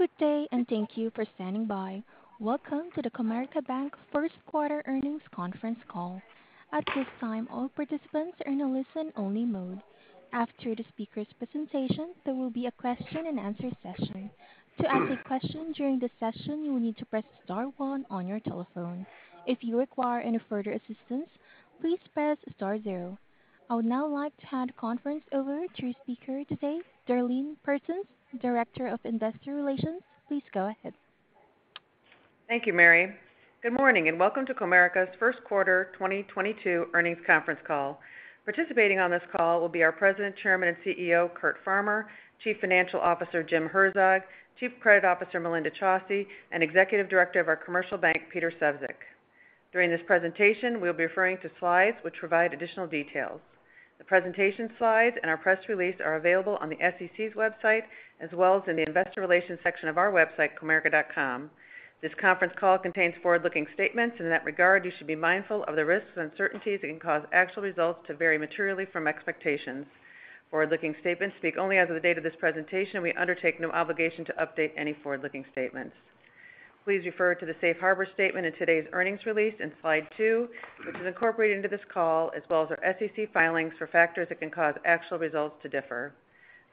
Good day and thank you for standing by. Welcome to the Comerica Bank Q1 earnings conference call. At this time, all participants are in a listen-only mode. After the speaker's presentation, there will be a question-and-answer session. To ask a question during the session, you will need to press star one on your telephone. If you require any further assistance, please press star zero. I would now like to hand the conference over to speaker today, Darlene Persons, Director of Investor Relations. Please go ahead. Thank you, Mary. Good morning, and welcome to Comerica's Q1 2022 earnings conference call. Participating on this call will be our President, Chairman, and CEO, Curt Farmer; Chief Financial Officer, Jim Herzog; Chief Credit Officer, Melinda Chausse; and Executive Director of our Commercial Bank, Peter Sefzik. During this presentation, we'll be referring to slides which provide additional details. The presentation slides and our press release are available on the SEC's website, as well as in the investor relations section of our website, comerica.com. This conference call contains forward-looking statements. In that regard, you should be mindful of the risks and uncertainties that can cause actual results to vary materially from expectations. Forward-looking statements speak only as of the date of this presentation, and we undertake no obligation to update any forward-looking statements. Please refer to the safe harbor statement in today's earnings release in slide two, which is incorporated into this call, as well as our SEC filings for factors that can cause actual results to differ.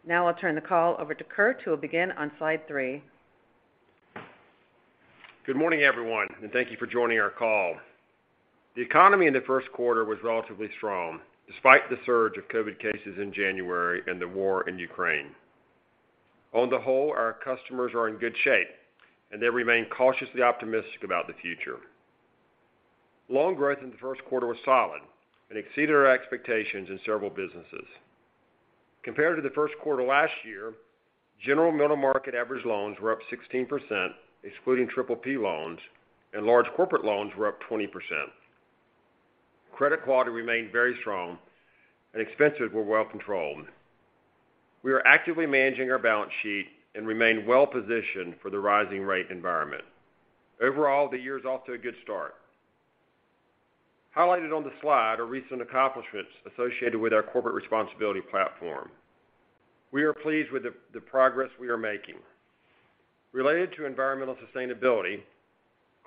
Now I'll turn the call over to Curt, who will begin on slide 3. Good morning, everyone, and thank you for joining our call. The economy in the Q1 was relatively strong despite the surge of COVID cases in January and the war in Ukraine. On the whole, our customers are in good shape, and they remain cautiously optimistic about the future. Loan growth in the Q1 was solid and exceeded our expectations in several businesses. Compared to the Q1 last year, general middle market average loans were up 16%, excluding PPP loans, and large corporate loans were up 20%. Credit quality remained very strong, and expenses were well controlled. We are actively managing our balance sheet and remain well-positioned for the rising rate environment. Overall, the year is off to a good start. Highlighted on the slide are recent accomplishments associated with our corporate responsibility platform. We are pleased with the progress we are making. Related to environmental sustainability,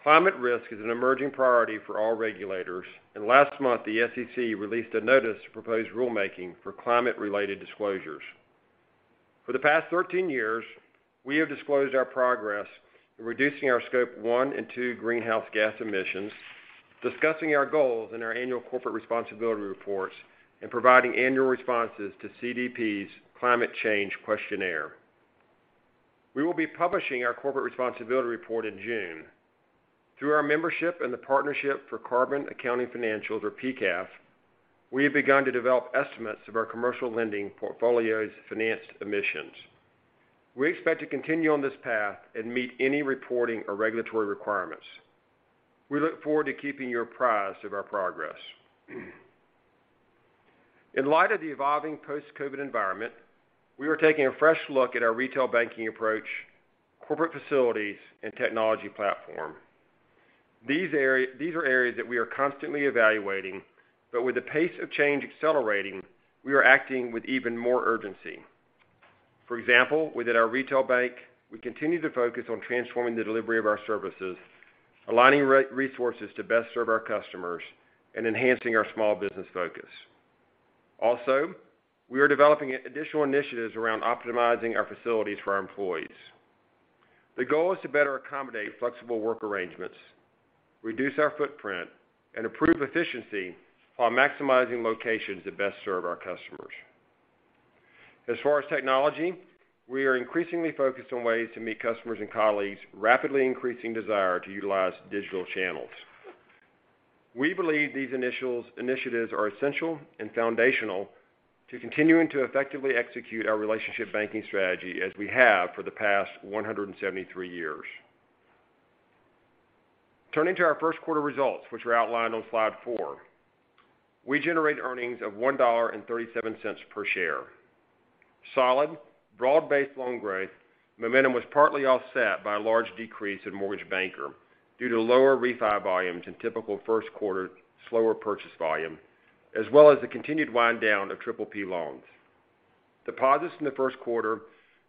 climate risk is an emerging priority for all regulators, and last month, the SEC released a notice of proposed rulemaking for climate-related disclosures. For the past 13 years, we have disclosed our progress in reducing our scope one and two greenhouse gas emissions, discussing our goals in our annual corporate responsibility reports, and providing annual responses to CDP's Climate Change Questionnaire. We will be publishing our corporate responsibility report in June. Through our membership in the Partnership for Carbon Accounting Financials, or PCAF, we have begun to develop estimates of our commercial lending portfolio's financed emissions. We expect to continue on this path and meet any reporting or regulatory requirements. We look forward to keeping you apprised of our progress. In light of the evolving post-COVID environment, we are taking a fresh look at our retail banking approach, corporate facilities, and technology platform. These are areas that we are constantly evaluating, but with the pace of change accelerating, we are acting with even more urgency. For example, within our Retail Bank, we continue to focus on transforming the delivery of our services, aligning resources to best serve our customers, and enhancing our small business focus. Also, we are developing additional initiatives around optimizing our facilities for our employees. The goal is to better accommodate flexible work arrangements, reduce our footprint, and improve efficiency while maximizing locations that best serve our customers. As far as technology, we are increasingly focused on ways to meet customers' and colleagues' rapidly increasing desire to utilize digital channels. We believe these initiatives are essential and foundational to continuing to effectively execute our relationship banking strategy as we have for the past 173 years. Turning to our Q1 results, which are outlined on slide four. We generated earnings of $1.37 per share. Solid, broad-based loan growth momentum was partly offset by a large decrease in mortgage banking due to lower refi volumes and typical Q1 slower purchase volume, as well as the continued wind down of PPP loans. Deposits in the Q1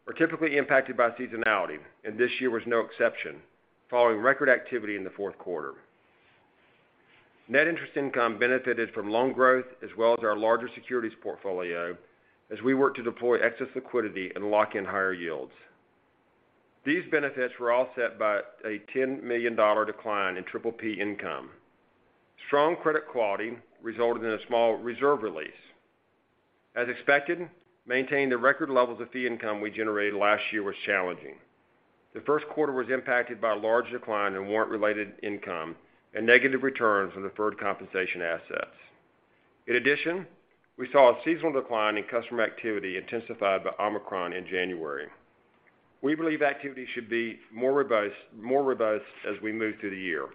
are typically impacted by seasonality, and this year was no exception following record activity in the Q4. Net interest income benefited from loan growth as well as our larger securities portfolio as we work to deploy excess liquidity and lock in higher yields. These benefits were offset by a $10 million decline in PPP income. Strong credit quality resulted in a small reserve release. As expected, maintaining the record levels of fee income we generated last year was challenging. The Q1 was impacted by a large decline in warrant-related income and negative returns on deferred compensation assets. In addition, we saw a seasonal decline in customer activity intensified by Omicron in January. We believe activity should be more revised as we move through the year.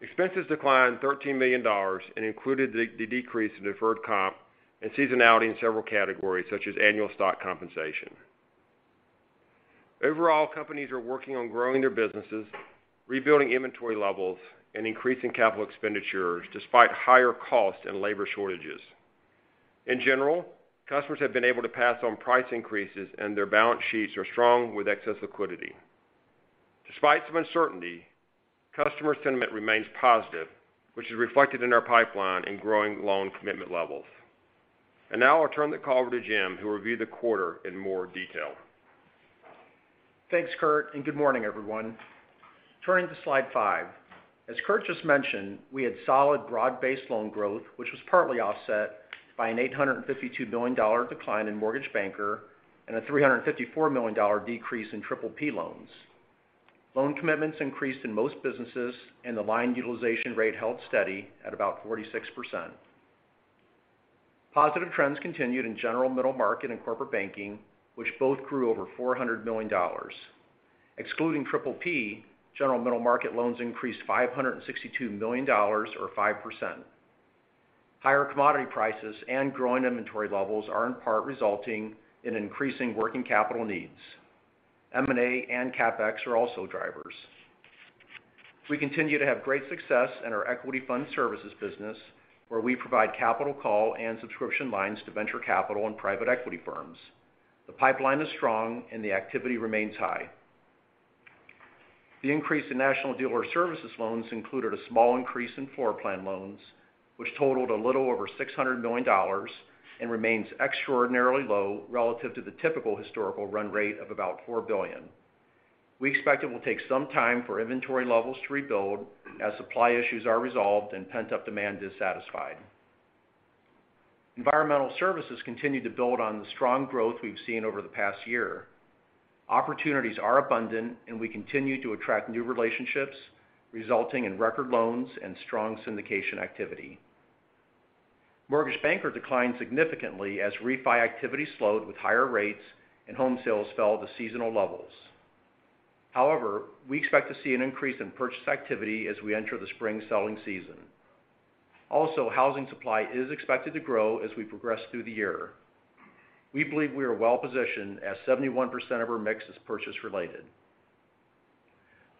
Expenses declined $13 million and included the decrease in deferred comp and seasonality in several categories such as annual stock compensation. Overall, companies are working on growing their businesses, rebuilding inventory levels, and increasing capital expenditures despite higher costs and labor shortages. In general, customers have been able to pass on price increases, and their balance sheets are strong with excess liquidity. Despite some uncertainty, customer sentiment remains positive, which is reflected in our pipeline and growing loan commitment levels. Now I'll turn the call over to Jim to review the quarter in more detail. Thanks, Curt, and good morning everyone. Turning to Slide 5. As Curt just mentioned, we had solid broad-based loan growth, which was partly offset by an $852 million decline in Mortgage Banker and a $354 million decrease in PPP loans. Loan commitments increased in most businesses and the line utilization rate held steady at about 46%. Positive trends continued in general middle market and corporate banking, which both grew over $400 million. Excluding PPP, general middle market loans increased $562 million or 5%. Higher commodity prices and growing inventory levels are in part resulting in increasing working capital needs. M&A and CapEx are also drivers. We continue to have great success in our equity fund services business, where we provide capital call and subscription lines to venture capital and private equity firms. The pipeline is strong and the activity remains high. The increase in national dealer services loans included a small increase in floor plan loans, which totaled a little over $600 million and remains extraordinarily low relative to the typical historical run rate of about $4 billion. We expect it will take some time for inventory levels to rebuild as supply issues are resolved and pent-up demand is satisfied. Environmental services continued to build on the strong growth we've seen over the past year. Opportunities are abundant, and we continue to attract new relationships, resulting in record loans and strong syndication activity. Mortgage Banker declined significantly as refi activity slowed with higher rates and home sales fell to seasonal levels. However, we expect to see an increase in purchase activity as we enter the spring selling season. Housing supply is expected to grow as we progress through the year. We believe we are well positioned as 71% of our mix is purchase related.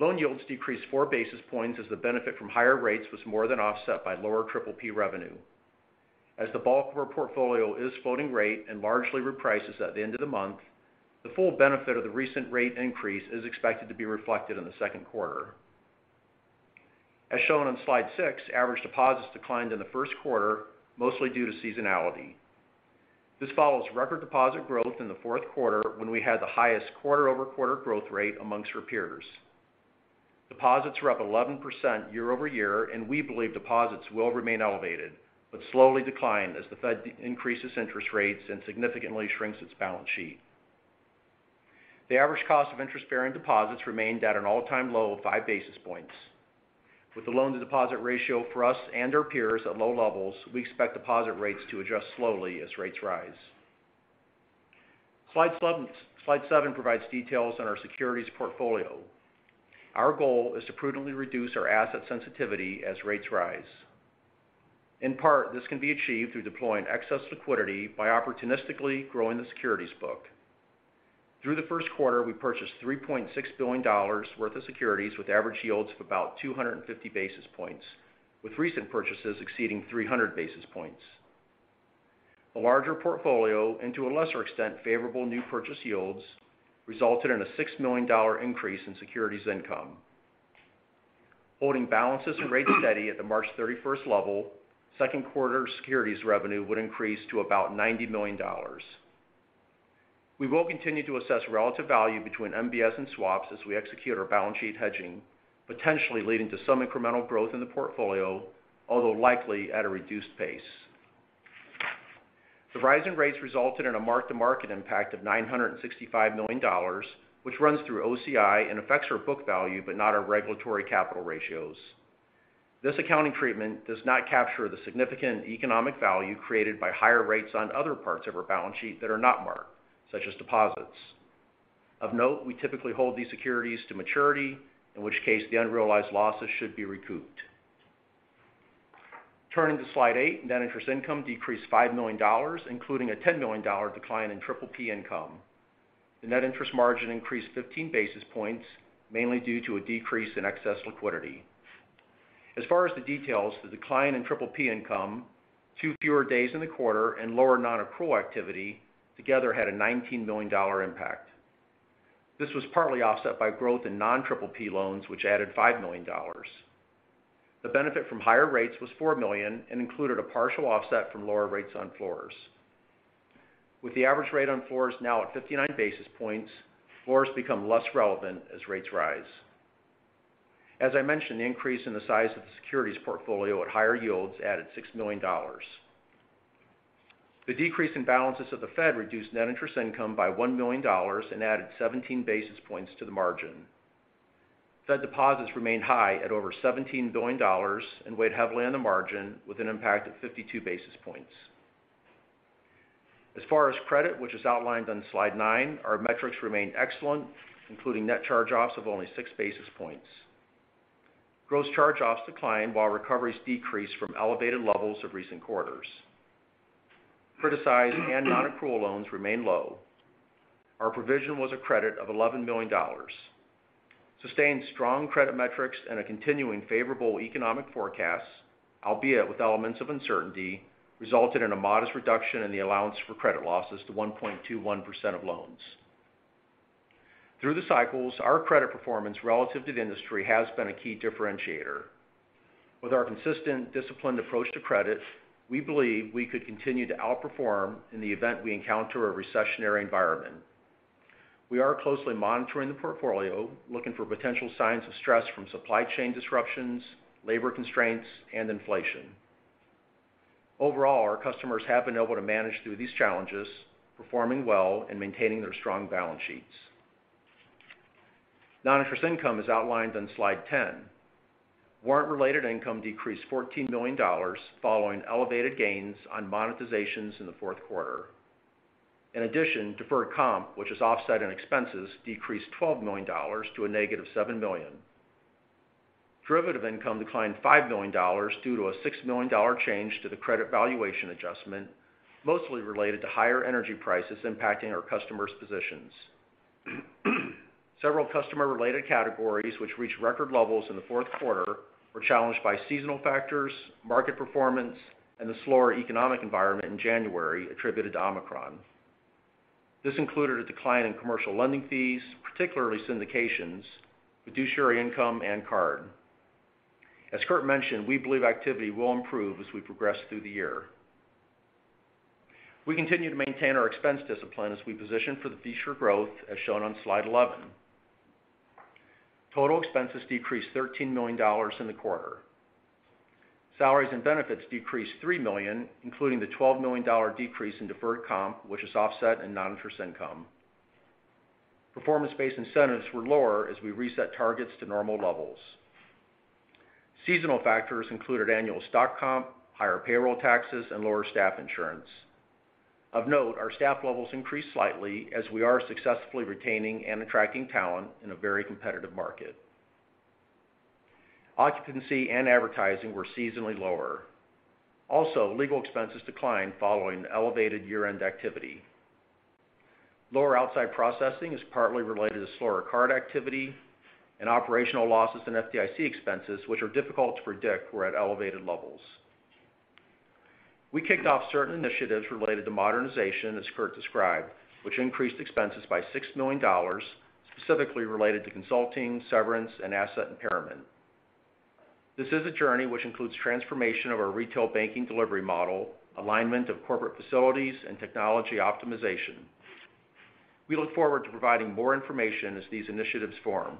Loan yields decreased 4 basis points as the benefit from higher rates was more than offset by lower PPP revenue. As the bulk of our portfolio is floating rate and largely reprices at the end of the month, the full benefit of the recent rate increase is expected to be reflected in the Q2. As shown on slide six, average deposits declined in the Q1, mostly due to seasonality. This follows record deposit growth in the Q4 when we had the highest quarter-over-quarter growth rate amongst our peers. Deposits were up 11% year-over-year, and we believe deposits will remain elevated, but slowly decline as the Fed increases interest rates and significantly shrinks its balance sheet. The average cost of interest-bearing deposits remained at an all-time low of 5 basis points. With the loan-to-deposit ratio for us and our peers at low levels, we expect deposit rates to adjust slowly as rates rise. Slide seven provides details on our securities portfolio. Our goal is to prudently reduce our asset sensitivity as rates rise. In part, this can be achieved through deploying excess liquidity by opportunistically growing the securities book. Through the Q1, we purchased $3.6 billion worth of securities with average yields of about 250 basis points, with recent purchases exceeding 300 basis points. A larger portfolio and to a lesser extent, favorable new purchase yields, resulted in a $6 million increase in securities income. Holding balances and rates steady at the March 31st level, Q2 securities revenue would increase to about $90 million. We will continue to assess relative value between MBS and swaps as we execute our balance sheet hedging, potentially leading to some incremental growth in the portfolio, although likely at a reduced pace. The rise in rates resulted in a mark-to-market impact of $965 million, which runs through OCI and affects our book value, but not our regulatory capital ratios. This accounting treatment does not capture the significant economic value created by higher rates on other parts of our balance sheet that are not marked, such as deposits. Of note, we typically hold these securities to maturity, in which case the unrealized losses should be recouped. Turning to slide eight, net interest income decreased $5 million, including a $10 million decline in PPP income. The net interest margin increased 15 basis points, mainly due to a decrease in excess liquidity. As far as the details, the decline in PPP income, two fewer days in the quarter and lower nonaccrual activity together had a $19 million impact. This was partly offset by growth in non-PPP loans, which added $5 million. The benefit from higher rates was $4 million and included a partial offset from lower rates on floors. With the average rate on floors now at 59 basis points, floors become less relevant as rates rise. As I mentioned, the increase in the size of the securities portfolio at higher yields added $6 million. The decrease in balances of the Fed reduced net interest income by $1 million and added 17 basis points to the margin. Fed deposits remained high at over $17 billion and weighed heavily on the margin with an impact of 52 basis points. As far as credit, which is outlined on slide 9, our metrics remained excellent, including net charge-offs of only 6 basis points. Gross charge-offs declined while recoveries decreased from elevated levels of recent quarters. Criticized and nonaccrual loans remain low. Our provision was a credit of $11 million. Sustained strong credit metrics and a continuing favorable economic forecast, albeit with elements of uncertainty, resulted in a modest reduction in the allowance for credit losses to 1.21% of loans. Through the cycles, our credit performance relative to the industry has been a key differentiator. With our consistent, disciplined approach to credit, we believe we could continue to outperform in the event we encounter a recessionary environment. We are closely monitoring the portfolio, looking for potential signs of stress from supply chain disruptions, labor constraints, and inflation. Overall, our customers have been able to manage through these challenges, performing well and maintaining their strong balance sheets. Non-interest income is outlined on slide 10. Warrant-related income decreased $14 million following elevated gains on monetization in the Q4. In addition, deferred comp, which is offset in expenses, decreased $12 million to a negative $7 million. Derivative income declined $5 million due to a $6 million change to the Credit Valuation Adjustment, mostly related to higher energy prices impacting our customers' positions. Several customer-related categories which reached record levels in the Q4 were challenged by seasonal factors, market performance, and the slower economic environment in January attributed to Omicron. This included a decline in commercial lending fees, particularly syndications, fiduciary income, and card. As Curt mentioned, we believe activity will improve as we progress through the year. We continue to maintain our expense discipline as we position for the future growth, as shown on slide 11. Total expenses decreased $13 million in the quarter. Salaries and benefits decreased $3 million, including the $12 million decrease in deferred comp, which is offset in non-interest income. Performance-based incentives were lower as we reset targets to normal levels. Seasonal factors included annual stock comp, higher payroll taxes, and lower staff insurance. Of note, our staff levels increased slightly as we are successfully retaining and attracting talent in a very competitive market. Occupancy and advertising were seasonally lower. Also, legal expenses declined following elevated year-end activity. Lower outside processing is partly related to slower card activity and operational losses and FDIC expenses, which are difficult to predict, were at elevated levels. We kicked off certain initiatives related to modernization, as Curt described, which increased expenses by $6 million, specifically related to consulting, severance, and asset impairment. This is a journey which includes transformation of our retail banking delivery model, alignment of corporate facilities, and technology optimization. We look forward to providing more information as these initiatives form.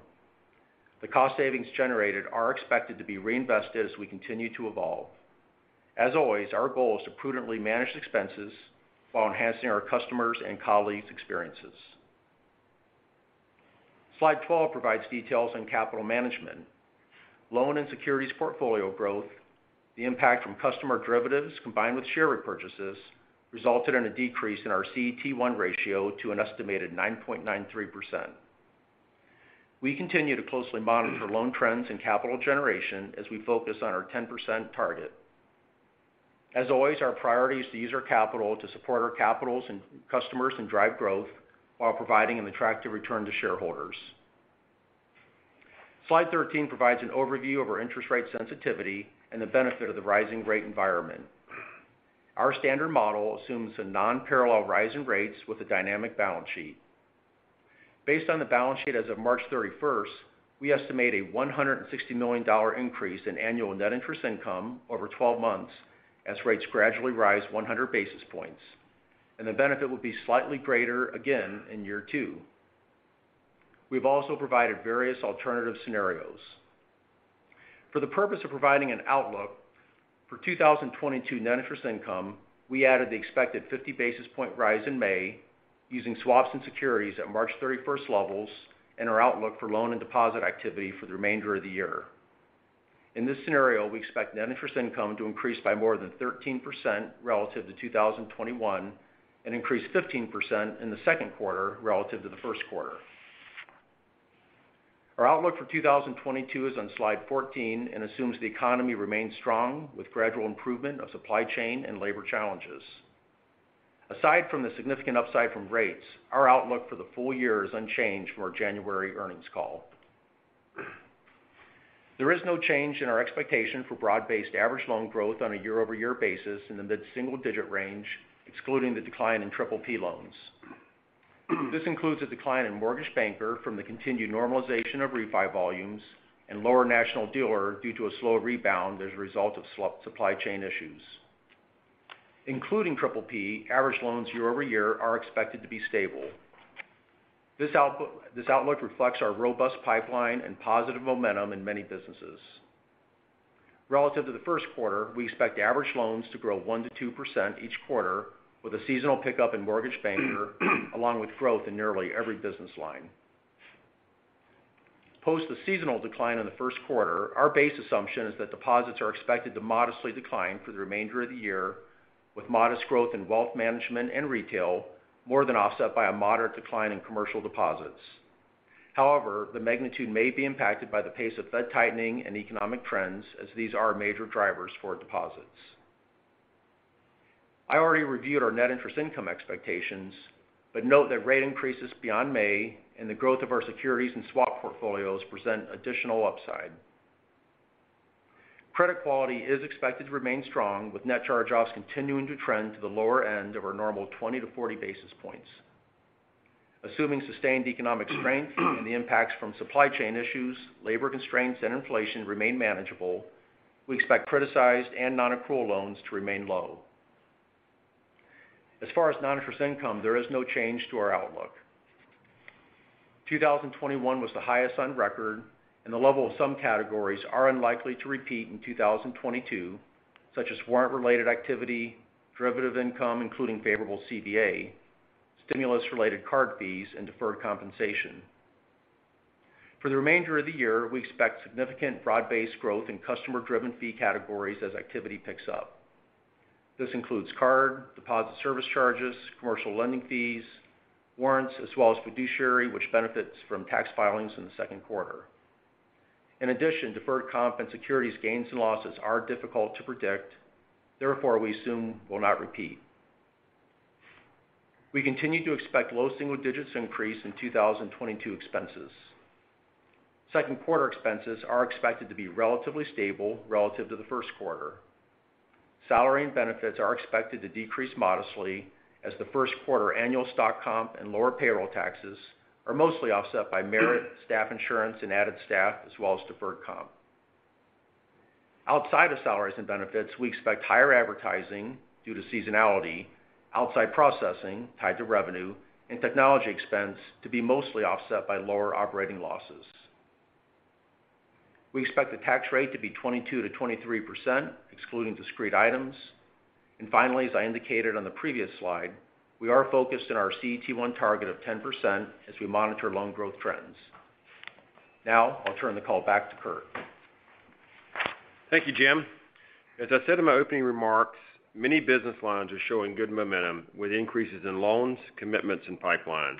The cost savings generated are expected to be reinvested as we continue to evolve. As always, our goal is to prudently manage expenses while enhancing our customers' and colleagues' experiences. Slide 12 provides details on capital management, loan and securities portfolio growth, the impact from customer derivatives combined with share repurchases, [which] resulted in a decrease in our CET1 ratio to an estimated 9.93%. We continue to closely monitor loan trends and capital generation as we focus on our 10% target. Our priority is to use our capital to support our clients and customers and drive growth while providing an attractive return to shareholders. Slide 13 provides an overview of our interest rate sensitivity and the benefit of the rising rate environment. Our standard model assumes a non-parallel rise in rates with a dynamic balance sheet. Based on the balance sheet as of March 31st, we estimate a $160 million increase in annual net interest income over 12 months as rates gradually rise 100 basis points, and the benefit will be slightly greater again in year two. We've also provided various alternative scenarios. For the purpose of providing an outlook for 2022 net interest income, we added the expected 50 basis points rise in May using swaps and securities at March 31 levels and our outlook for loan and deposit activity for the remainder of the year. In this scenario, we expect net interest income to increase by more than 13% relative to 2021 and increase 15% in the Q2 relative to the Q1. Our outlook for 2022 is on slide 14 and assumes the economy remains strong with gradual improvement of supply chain and labor challenges. Aside from the significant upside from rates, our outlook for the full year is unchanged from our January earnings call. There is no change in our expectation for broad-based average loan growth on a year-over-year basis in the mid-single digit range, excluding the decline in Triple P loans. This includes a decline in Mortgage Banker from the continued normalization of refi volumes and lower National Dealer due to a slower rebound as a result of supply chain issues. Including Triple P, average loans year over year are expected to be stable. This outlook reflects our robust pipeline and positive momentum in many businesses. Relative to the Q1, we expect average loans to grow 1%-2% each quarter with a seasonal pickup in Mortgage Banker along with growth in nearly every business line. Post the seasonal decline in the Q1, our base assumption is that deposits are expected to modestly decline for the remainder of the year with modest growth in Wealth Management and Retail more than offset by a moderate decline in Commercial deposits. However, the magnitude may be impacted by the pace of Fed tightening and economic trends as these are major drivers for deposits. I already reviewed our net interest income expectations but note that rate increases beyond May and the growth of our securities and swap portfolios present additional upside. Credit quality is expected to remain strong, with net charge-offs continuing to trend to the lower end of our normal 20-40 basis points. Assuming sustained economic strength and the impacts from supply chain issues, labor constraints, and inflation remain manageable, we expect criticized and nonaccrual loans to remain low. As far as non-interest income, there is no change to our outlook. 2021 was the highest on record, and the level of some categories are unlikely to repeat in 2022, such as warrant-related activity, derivative income, including favorable CVA, stimulus-related card fees, and deferred compensation. For the remainder of the year, we expect significant broad-based growth in customer-driven fee categories as activity picks up. This includes card, deposit service charges, commercial lending fees, warrants, as well as fiduciary, which benefits from tax filings in the Q2. In addition, deferred comp and securities gains and losses are difficult to predict, therefore, we assume will not repeat. We continue to expect low single digits increase in 2022 expenses. Q2 expenses are expected to be relatively stable relative to the Q1. Salary and benefits are expected to decrease modestly as the Q1 annual stock comp and lower payroll taxes are mostly offset by merit, staff insurance, and added staff, as well as deferred comp. Outside of salaries and benefits, we expect higher advertising due to seasonality, outside processing tied to revenue and technology expense to be mostly offset by lower operating losses. We expect the tax rate to be 22%-23%, excluding discrete items. Finally, as I indicated on the previous slide, we are focused on our CET1 target of 10% as we monitor loan growth trends. Now, I'll turn the call back to Curt. Thank you, Jim. As I said in my opening remarks, many business lines are showing good momentum with increases in loans, commitments and pipeline.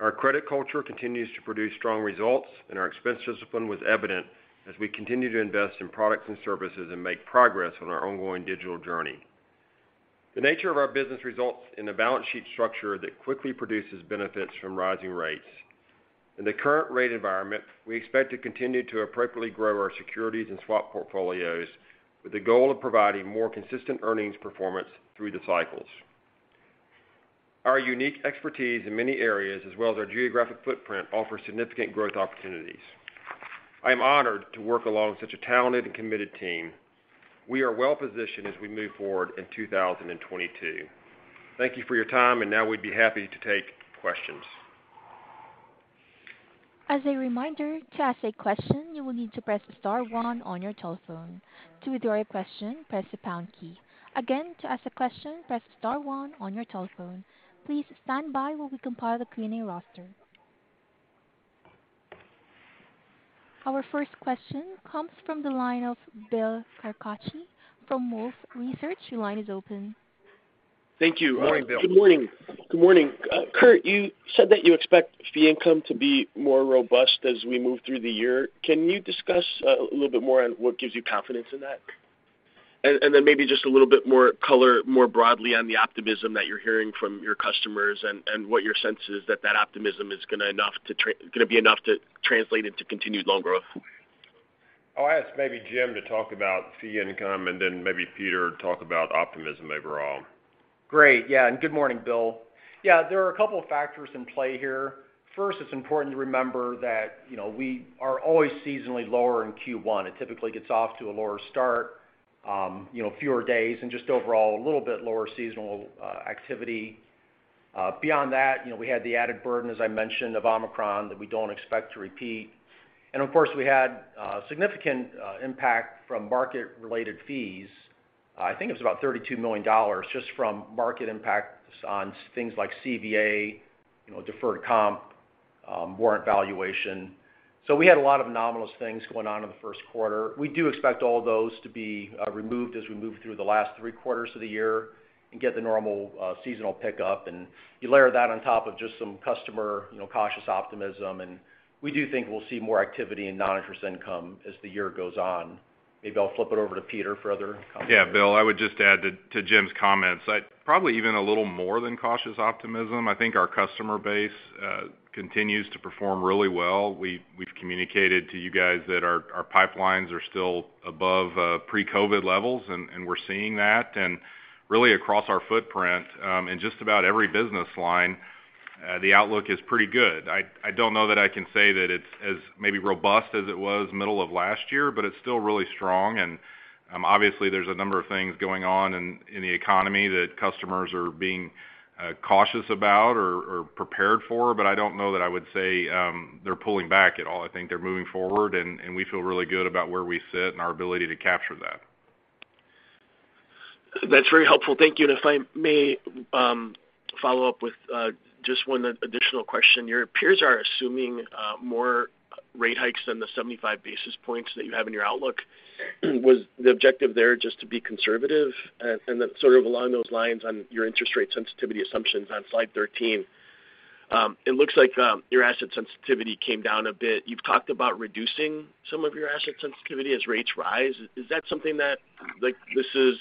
Our credit culture continues to produce strong results, and our expense discipline was evident as we continue to invest in products and services and make progress on our ongoing digital journey. The nature of our business results in a balance sheet structure that quickly produces benefits from rising rates. In the current rate environment, we expect to continue to appropriately grow our securities and swap portfolios with the goal of providing more consistent earnings performance through the cycles. Our unique expertise in many areas as well as our geographic footprint offer significant growth opportunities. I am honored to work along such a talented and committed team. We are well-positioned as we move forward in 2022. Thank you for your time, and now we'd be happy to take questions. As a reminder, to ask a question, you will need to press star one on your telephone. To withdraw your question, press the pound key. Again, to ask a question, press star one on your telephone. Please stand by while we compile the Q&A roster. Our first question comes from the line of Bill Carcache from Wolfe Research. Your line is open. Thank you. Morning, Bill. Good morning. Good morning. Curt, you said that you expect fee income to be more robust as we move through the year. Can you discuss a little bit more on what gives you confidence in that? Then maybe just a little bit more color more broadly on the optimism that you're hearing from your customers and what your sense is that that optimism is going to be enough to translate into continued loan growth. I'll ask maybe Jim to talk about fee income, and then maybe Peter talk about optimism overall. Great. Yeah, good morning, Bill. Yeah, there are a couple of factors in play here. First, it's important to remember that, you know, we are always seasonally lower in Q1. It typically gets off to a lower start, you know, fewer days and just overall a little bit lower seasonal activity. Beyond that, you know, we had the added burden, as I mentioned, of Omicron that we don't expect to repeat. Of course, we had significant impact from market-related fees. I think it was about $32 million just from market impacts on things like CVA, you know, deferred comp, warrant valuation. We had a lot of anomalous things going on in the first quarter. We do expect all those to be removed as we move through the last three quarters of the year and get the normal seasonal pickup. You layer that on top of just some customer, you know, cautious optimism, and we do think we'll see more activity in non-interest income as the year goes on. Maybe I'll flip it over to Peter for other comments. Yeah, Bill, I would just add to Jim's comments. I probably even a little more than cautious optimism. I think our customer base continues to perform really well. We've communicated to you guys that our pipelines are still above pre-COVID levels, and we're seeing that. Really across our footprint in just about every business line the outlook is pretty good. I don't know that I can say that it's as maybe robust as it was middle of last year, but it's still really strong. Obviously, there's a number of things going on in the economy that customers are being cautious about or prepared for, but I don't know that I would say they're pulling back at all. I think they're moving forward and we feel really good about where we sit and our ability to capture that. That's very helpful. Thank you. If I may, follow up with just one additional question. Your peers are assuming more rate hikes than the 75 basis points that you have in your outlook. Was the objective there just to be conservative? Then sort of along those lines on your interest rate sensitivity assumptions on slide 13 It looks like your asset sensitivity came down a bit. You've talked about reducing some of your asset sensitivity as rates rise. Is that something that like this is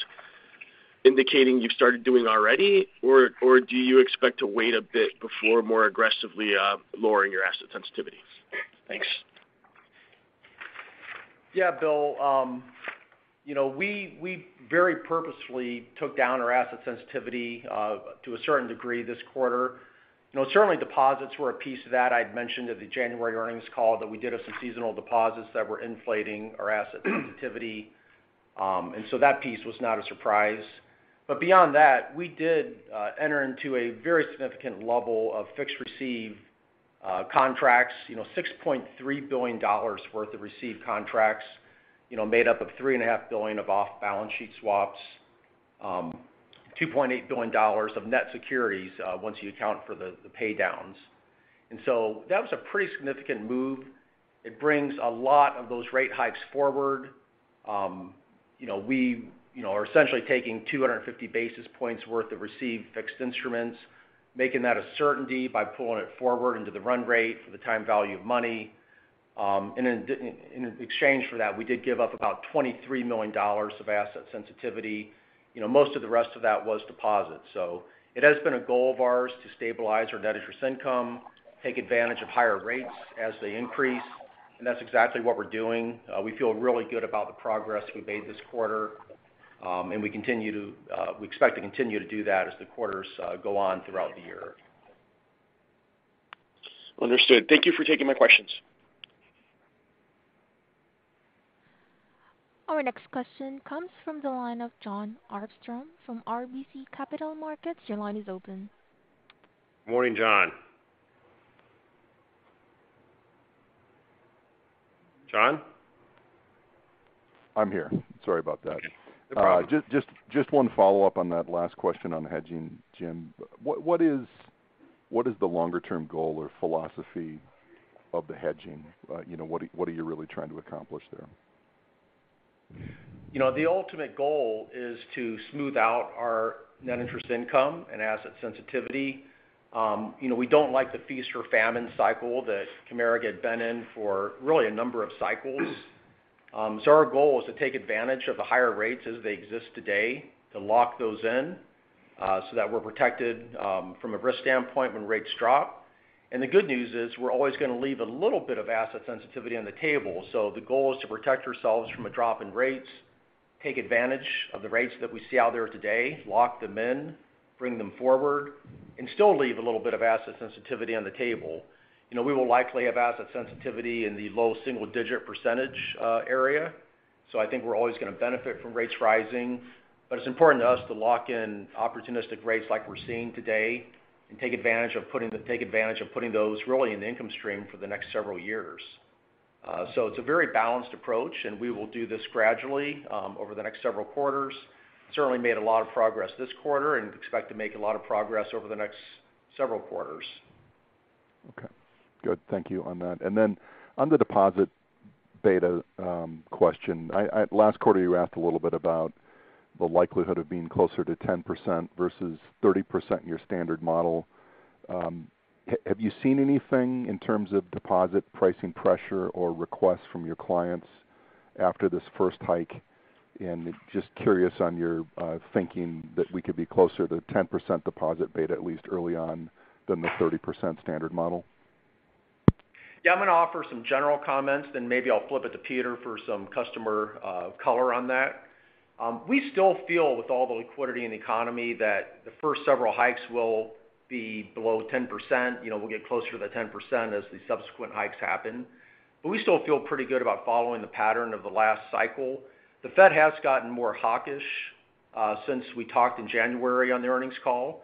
indicating you've started doing already, or do you expect to wait a bit before more aggressively lowering your asset sensitivity? Thanks. Yeah, Bill. You know, we very purposefully took down our asset sensitivity to a certain degree this quarter. You know, certainly deposits were a piece of that. I'd mentioned at the January earnings call that we did have some seasonal deposits that were inflating our asset sensitivity. That piece was not a surprise. Beyond that, we did enter into a very significant level of fixed receive contracts, you know, $6.3 billion worth of received contracts, you know, made up of $3.5 billion of off-balance sheet swaps, $2.8 billion of net securities, once you account for the pay downs. That was a pretty significant move. It brings a lot of those rate hikes forward. You know, we are essentially taking 250 basis points worth of received fixed instruments, making that a certainty by pulling it forward into the run rate for the time value of money. In exchange for that, we did give up about $23 million of asset sensitivity. You know, most of the rest of that was deposits. It has been a goal of ours to stabilize our net interest income, take advantage of higher rates as they increase, and that's exactly what we're doing. We feel really good about the progress we made this quarter. We continue to expect to continue to do that as the quarters go on throughout the year. Understood. Thank you for taking my questions. Our next question comes from the line of Gerard Cassidy from RBC Capital Markets. Your line is open. Morning, John. John? I'm here. Sorry about that. Okay. No problem. Just one follow-up on that last question on hedging, Jim. What is the longer-term goal or philosophy of the hedging? You know, what are you really trying to accomplish there? You know, the ultimate goal is to smooth out our net interest income and asset sensitivity. You know, we don't like the feast or famine cycle that Comerica had been in for really a number of cycles. Our goal is to take advantage of the higher rates as they exist today to lock those in, so that we're protected from a risk standpoint when rates drop. The good news is we're always going to leave a little bit of asset sensitivity on the table. The goal is to protect ourselves from a drop in rates, take advantage of the rates that we see out there today, lock them in, bring them forward, and still leave a little bit of asset sensitivity on the table. You know, we will likely have asset sensitivity in the low single-digit % area. I think we're always going to benefit from rates rising. It's important to us to lock in opportunistic rates like we're seeing today and take advantage of putting those really in the income stream for the next several years. It's a very balanced approach, and we will do this gradually over the next several quarters. We certainly made a lot of progress this quarter and expect to make a lot of progress over the next several quarters. Okay. Good. Thank you on that. Then on the deposit beta question. Last quarter you asked a little bit about the likelihood of being closer to 10% versus 30% in your standard model. Have you seen anything in terms of deposit pricing pressure or requests from your clients after this first hike? Just curious on your thinking that we could be closer to 10% deposit beta at least early on than the 30% standard model. Yeah. I'm going to offer some general comments, then maybe I'll flip it to Peter for some customer color on that. We still feel with all the liquidity in the economy that the first several hikes will be below 10%. You know, we'll get closer to the 10% as the subsequent hikes happen. We still feel pretty good about following the pattern of the last cycle. The Fed has gotten more hawkish since we talked in January on the earnings call.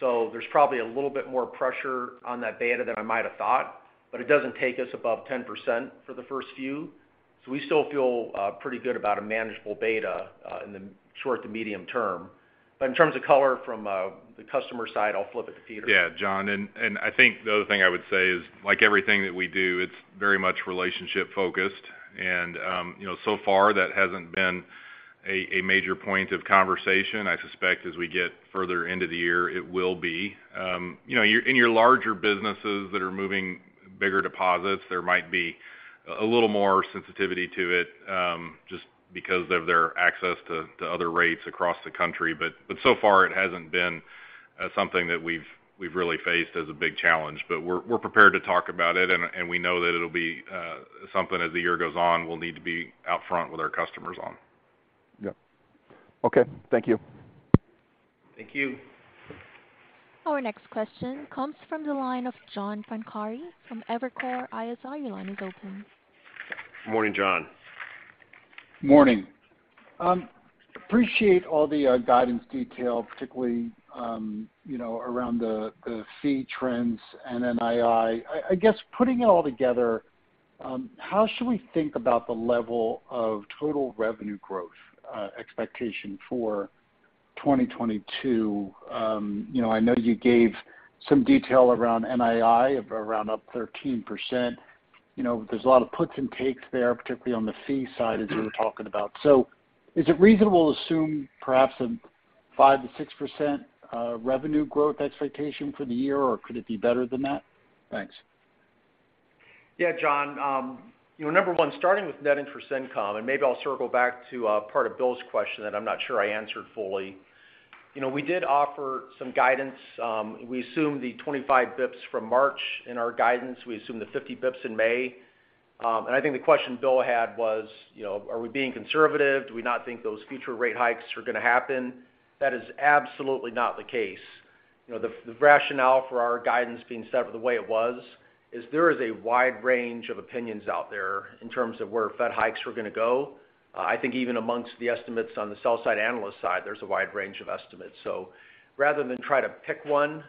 There's probably a little bit more pressure on that beta than I might have thought, but it doesn't take us above 10% for the first few. We still feel pretty good about a manageable beta in the short to medium term. In terms of color from the customer side, I'll flip it to Peter. Yeah, John. I think the other thing I would say is, like everything that we do, it's very much relationship focused. You know, so far that hasn't been a major point of conversation. I suspect as we get further into the year, it will be. You know, in your larger businesses that are moving bigger deposits, there might be a little more sensitivity to it, just because of their access to other rates across the country. So far it hasn't been something that we've really faced as a big challenge. We're prepared to talk about it and we know that it'll be something as the year goes on we'll need to be out front with our customers on. Yep. Okay. Thank you. Thank you. Our next question comes from the line of John Pancari from Evercore ISI. Your line is open. Morning, John. Morning. Appreciate all the guidance detail, particularly you know around the fee trends and NII. I guess putting it all together, how should we think about the level of total revenue growth expectation for 2022? You know, I know you gave some detail around NII of around up 13%. You know, there's a lot of puts and takes there, particularly on the fee side, as you were talking about. Is it reasonable to assume perhaps a 5%-6% revenue growth expectation for the year, or could it be better than that? Thanks. Yeah, John. You know, number one, starting with net interest income, and maybe I'll circle back to part of Bill's question that I'm not sure I answered fully. You know, we did offer some guidance. We assumed the 25 basis points from March in our guidance. We assumed the 50 basis points in May. And I think the question Bill had was, you know, are we being conservative? Do we not think those future rate hikes are going to happen? That is absolutely not the case. You know, the rationale for our guidance being set up the way it was is there is a wide range of opinions out there in terms of where Fed hikes are going to go. I think even amongst the estimates on the sell-side analyst side, there's a wide range of estimates. Rather than try to pick one,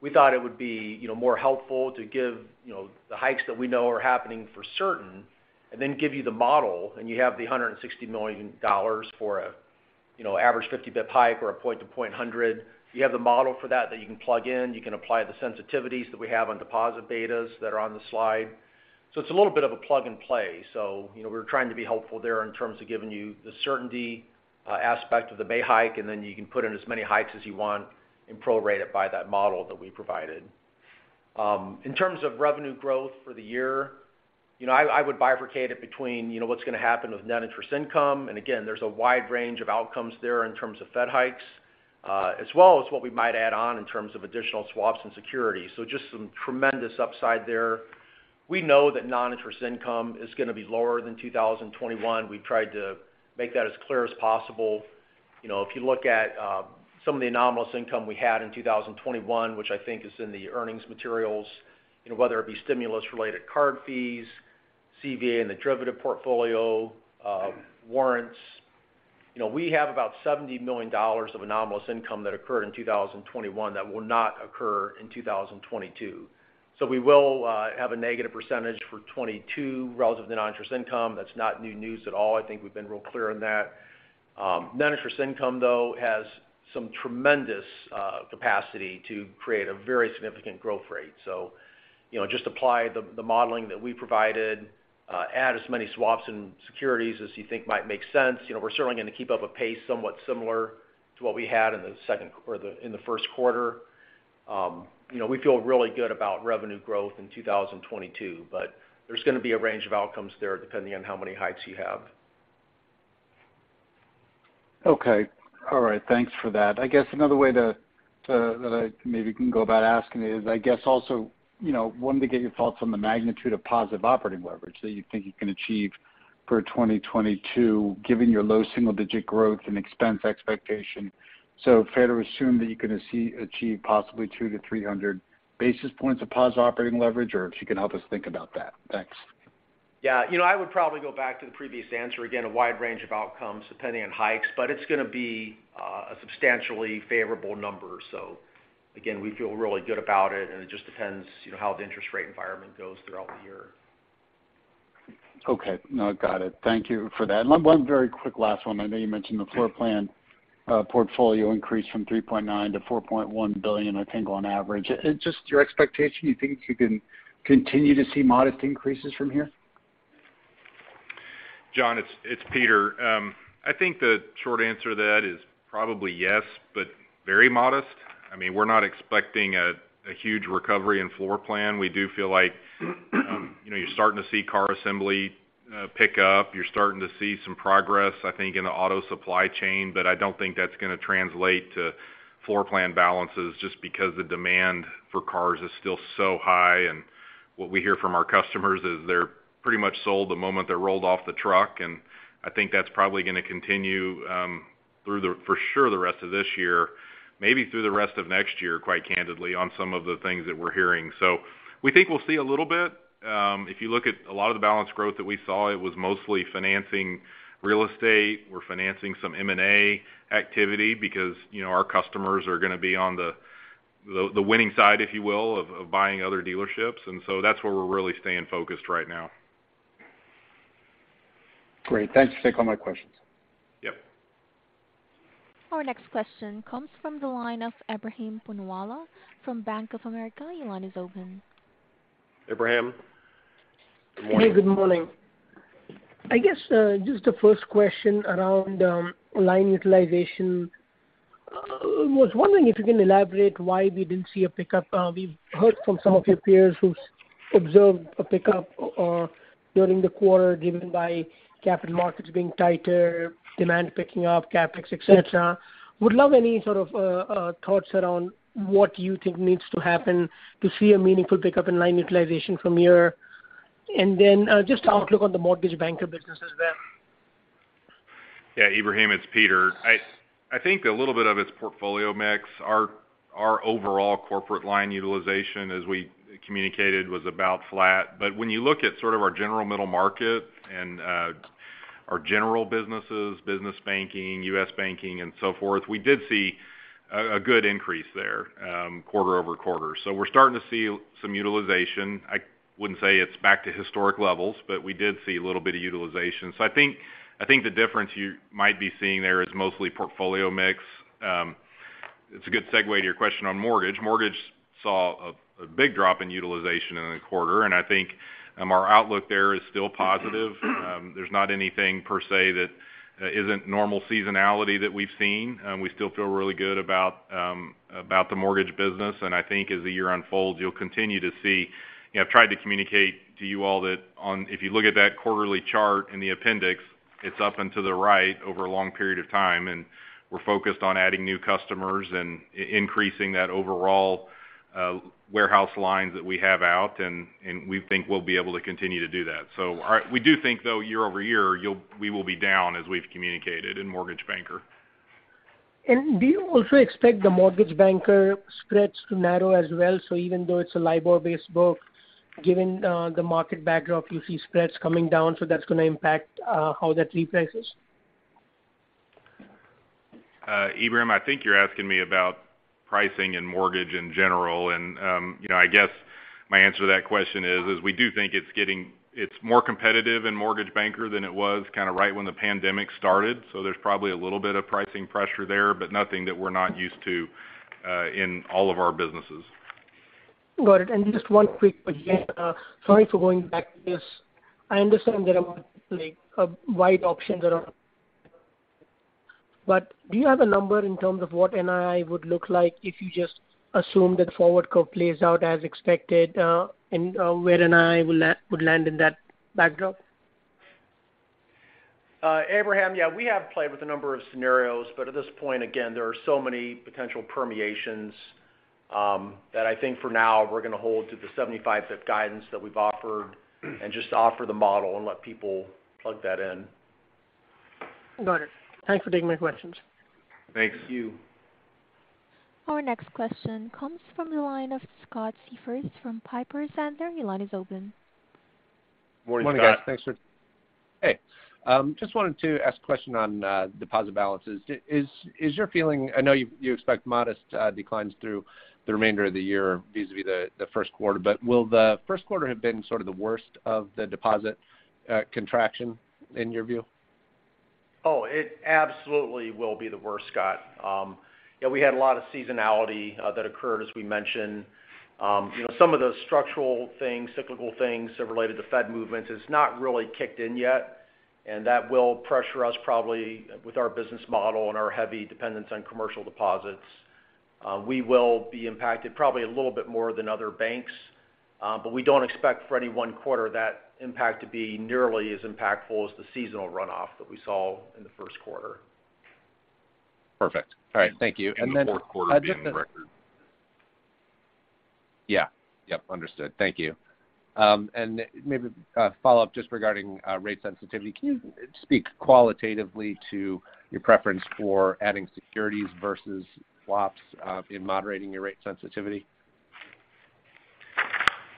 we thought it would be, you know, more helpful to give, you know, the hikes that we know are happening for certain and then give you the model, and you have the $160 million for a, you know, average 50 bip hike or a point to point 100. You have the model for that that you can plug in. You can apply the sensitivities that we have on deposit betas that are on the slide. It's a little bit of a plug and play. You know, we're trying to be helpful there in terms of giving you the certainty aspect of the May hike, and then you can put in as many hikes as you want and prorate it by that model that we provided. In terms of revenue growth for the year, you know, I would bifurcate it between, you know, what's going to happen with net interest income. Again, there's a wide range of outcomes there in terms of Fed hikes, as well as what we might add on in terms of additional swaps and securities. Just some tremendous upside there. We know that non-interest income is going to be lower than 2021. We tried to make that as clear as possible. You know, if you look at some of the anomalous income we had in 2021, which I think is in the earnings materials, you know, whether it be stimulus-related card fees, CVA in the derivative portfolio, warrants. You know, we have about $70 million of anomalous income that occurred in 2021 that will not occur in 2022. We will have a negative % for 2022 relative to non-interest income. That's not new news at all. I think we've been real clear on that. Non-interest income, though, has some tremendous capacity to create a very significant growth rate. You know, just apply the modeling that we provided, add as many swaps and securities as you think might make sense. You know, we're certainly going to keep up a pace somewhat similar to what we had in the first quarter. You know, we feel really good about revenue growth in 2022, but there's going to be a range of outcomes there depending on how many hikes you have. Okay. All right. Thanks for that. I guess another way to that I maybe can go about asking is, I guess also, you know, wanted to get your thoughts on the magnitude of positive operating leverage that you think you can achieve for 2022, given your low single-digit growth and expense expectation. Fair to assume that you can achieve possibly 200-300 basis points of positive operating leverage, or if you can help us think about that. Thanks. Yeah. You know, I would probably go back to the previous answer. Again, a wide range of outcomes depending on hikes, but it's going to be a substantially favorable number. So again, we feel really good about it and it just depends, you know, how the interest rate environment goes throughout the year. Okay. No, got it. Thank you for that. One very quick last one. I know you mentioned the floor plan portfolio increase from $3.9 billion-$4.1 billion, I think, on average. Just your expectation, you think you can continue to see modest increases from here? John, it's Peter. I think the short answer to that is probably yes, but very modest. I mean, we're not expecting a huge recovery in floor plan. We do feel like, you know, you're starting to see car assembly pick up. You're starting to see some progress, I think, in the auto supply chain. I don't think that's going to translate to floor plan balances just because the demand for cars is still so high. What we hear from our customers is they're pretty much sold the moment they're rolled off the truck. I think that's probably going to continue for sure the rest of this year, maybe through the rest of next year, quite candidly, on some of the things that we're hearing. We think we'll see a little bit. If you look at a lot of the balance growth that we saw, it was mostly financing real estate. We're financing some M&A activity because, you know, our customers are going to be on the winning side, if you will, of buying other dealerships. That's where we're really staying focused right now. Great. Thanks. Take all my questions. Yep. Our next question comes from the line of Ebrahim Poonawala from Bank of America. Your line is open. Ebrahim, good morning. Hey, good morning. I guess just the first question around line utilization. Was wondering if you can elaborate why we didn't see a pickup. We've heard from some of your peers who've observed a pickup during the quarter driven by capital markets being tighter, demand picking up, CapEx, et cetera. Would love any sort of thoughts around what you think needs to happen to see a meaningful pickup in line utilization from here. Then just outlook on the mortgage banker businesses then. Yeah, Ebrahim, it's Peter. I think a little bit of it's portfolio mix. Our overall corporate line utilization, as we communicated, was about flat. When you look at sort of our general middle market and our general businesses, business banking, U.S. banking and so forth, we did see a good increase there quarter-over-quarter. We're starting to see some utilization. I wouldn't say it's back to historic levels, but we did see a little bit of utilization. I think the difference you might be seeing there is mostly portfolio mix. It's a good segue to your question on mortgage. Mortgage saw a big drop in utilization in the quarter, and I think our outlook there is still positive. There's not anything per se that isn't normal seasonality that we've seen. We still feel really good about the mortgage business. I think as the year unfolds, you'll continue to see you know, I've tried to communicate to you all that if you look at that quarterly chart in the appendix, it's up into the right over a long period of time, and we're focused on adding new customers and increasing that overall warehouse lines that we have out, and we think we'll be able to continue to do that. We do think, though, year over year, we will be down as we've communicated in Mortgage Banker. Do you also expect the Mortgage Banker spreads to narrow as well? Even though it's a LIBOR-based book, given the market backdrop, you see spreads coming down, so that's going to impact how that reprices? Ebrahim, I think you're asking me about pricing and mortgage in general. You know, I guess my answer to that question is we do think it's getting more competitive in Mortgage Banker than it was kind of right when the pandemic started. There's probably a little bit of pricing pressure there, but nothing that we're not used to in all of our businesses. Got it. Just one quick question. Sorry for going back to this. I understand there are, like, a wide options around, but do you have a number in terms of what NII would look like if you just assume that forward curve plays out as expected, and where NII would land in that backdrop? Ebrahim, yeah, we have played with a number of scenarios, but at this point, again, there are so many potential permutations, that I think for now we're going to hold to the 75 pip guidance that we've offered and just offer the model and let people plug that in. Got it. Thanks for taking my questions. Thank you. Our next question comes from the line of Scott Siefers from Piper Sandler. Your line is open. Morning, Scott. Morning, guys. Hey. Just wanted to ask a question on deposit balances. Is your feeling? I know you expect modest declines through the remainder of the year vis-à-vis the Q1, but will the Q1 have been sort of the worst of the deposit contraction in your view? Oh, it absolutely will be the worst, Scott. Yeah, we had a lot of seasonality that occurred, as we mentioned. You know, some of the structural things, cyclical things related to Fed movements has not really kicked in yet, and that will pressure us probably with our business model and our heavy dependence on commercial deposits. We will be impacted probably a little bit more than other banks, but we don't expect for any one quarter that impact to be nearly as impactful as the seasonal runoff that we saw in the Q1. Perfect. All right. Thank you. The Q4 being record. Yeah. Yep, understood. Thank you. Maybe a follow-up just regarding rate sensitivity. Can you speak qualitatively to your preference for adding securities versus swaps in moderating your rate sensitivity?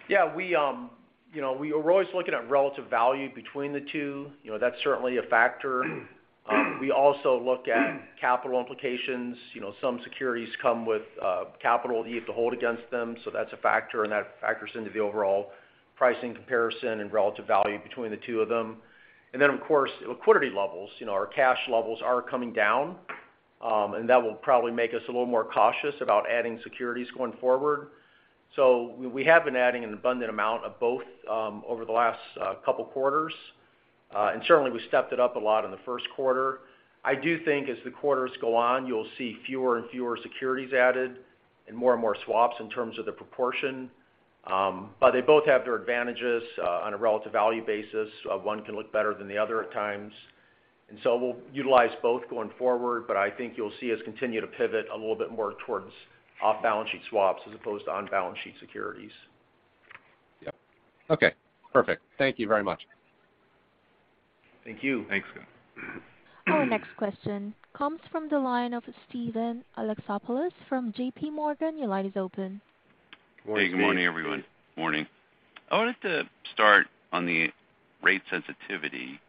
Yeah. We, you know, we are always looking at relative value between the two. You know, that's certainly a factor. We also look at capital implications. You know, some securities come with capital you have to hold against them, so that's a factor, and that factors into the overall pricing comparison and relative value between the two of them. Of course, liquidity levels, you know, our cash levels are coming down, and that will probably make us a little more cautious about adding securities going forward. We have been adding an abundant amount of both over the last couple quarters. Certainly we stepped it up a lot in the Q1. I do think as the quarters go on, you'll see fewer and fewer securities added and more and more swaps in terms of the proportion. They both have their advantages on a relative value basis. One can look better than the other at times. We'll utilize both going forward, but I think you'll see us continue to pivot a little bit more towards off-balance sheet swaps as opposed to on-balance sheet securities. Yep. Okay. Perfect. Thank you very much. Thank you. Thanks, Scott. Our next question comes from the line of Steven Alexopoulos from J.P. Morgan. Your line is open. Good morning, Steve. Hey, good morning, everyone. Morning. I wanted to start on the rate sensitivity.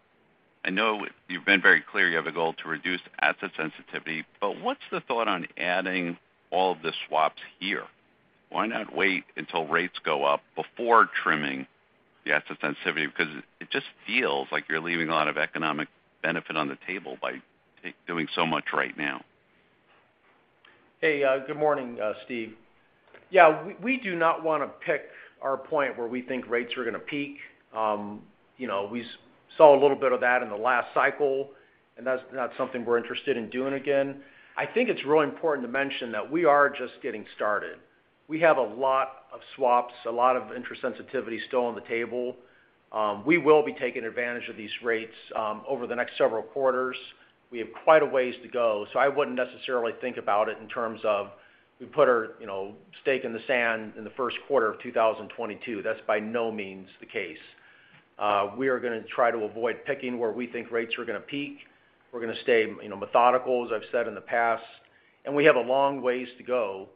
I know you've been very clear you have a goal to reduce asset sensitivity, but what's the thought on adding all of the swaps here? Why not wait until rates go up before trimming the asset sensitivity? Because it just feels like you're leaving a lot of economic benefit on the table by doing so much right now. Hey, good morning, Steve. Yeah, we do not want to pick our point where we think rates are going to peak. You know, we saw a little bit of that in the last cycle, and that's not something we're interested in doing again. I think it's really important to mention that we are just getting started. We have a lot of swaps, a lot of interest sensitivity still on the table. We will be taking advantage of these rates over the next several quarters. We have quite a way to go, so I wouldn't necessarily think about it in terms of we put our, you know, stake in the sand in the Q1 of 2022. That's by no means the case. We are going to try to avoid picking where we think rates are going to peak. We're going to stay, you know, methodical, as I've said in the past, and we have a long ways to go.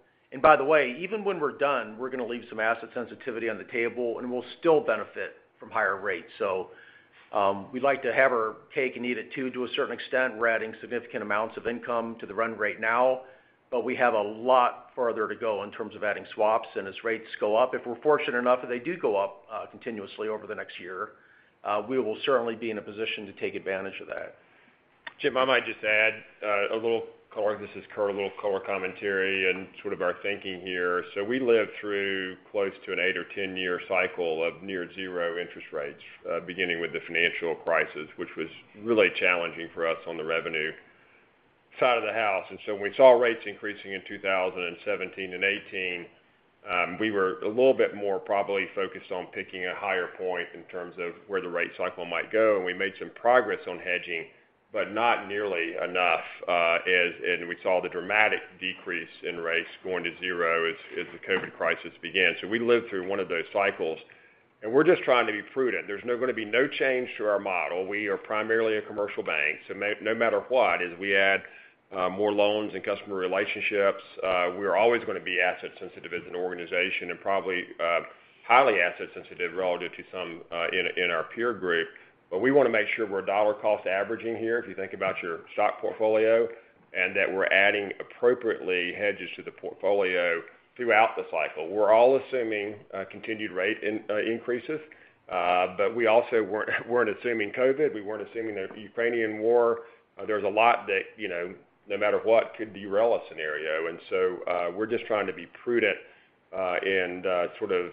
By the way, even when we're done, we're going to leave some asset sensitivity on the table, and we'll still benefit from higher rates. We'd like to have our cake and eat it too. To a certain extent, we're adding significant amounts of income to the run rate now, but we have a lot further to go in terms of adding swaps. As rates go up, if we're fortunate enough that they do go up continuously over the next year, we will certainly be in a position to take advantage of that. Jim, I might just add a little color. This is Curt, a little color commentary and sort of our thinking here. We lived through close to an 8- or 10-year cycle of near-zero interest rates, beginning with the financial crisis, which was really challenging for us on the revenue side of the house. When we saw rates increasing in 2017 and 2018, we were a little bit more probably focused on picking a higher point in terms of where the rate cycle might go. We made some progress on hedging, but not nearly enough, and we saw the dramatic decrease in rates going to zero as the COVID crisis began. We lived through one of those cycles, and we're just trying to be prudent. There's no going to be no change to our model. We are primarily a commercial bank, so no matter what, as we add more loans and customer relationships, we're always going to be asset sensitive as an organization and probably highly asset sensitive relative to some in our peer group. We want to make sure we're dollar cost averaging here, if you think about your stock portfolio, and that we're adding appropriately hedges to the portfolio throughout the cycle. We're all assuming continued rate increases. We also weren't assuming COVID. We weren't assuming the Ukrainian war. There's a lot that, you know, no matter what could derail a scenario. We're just trying to be prudent in sort of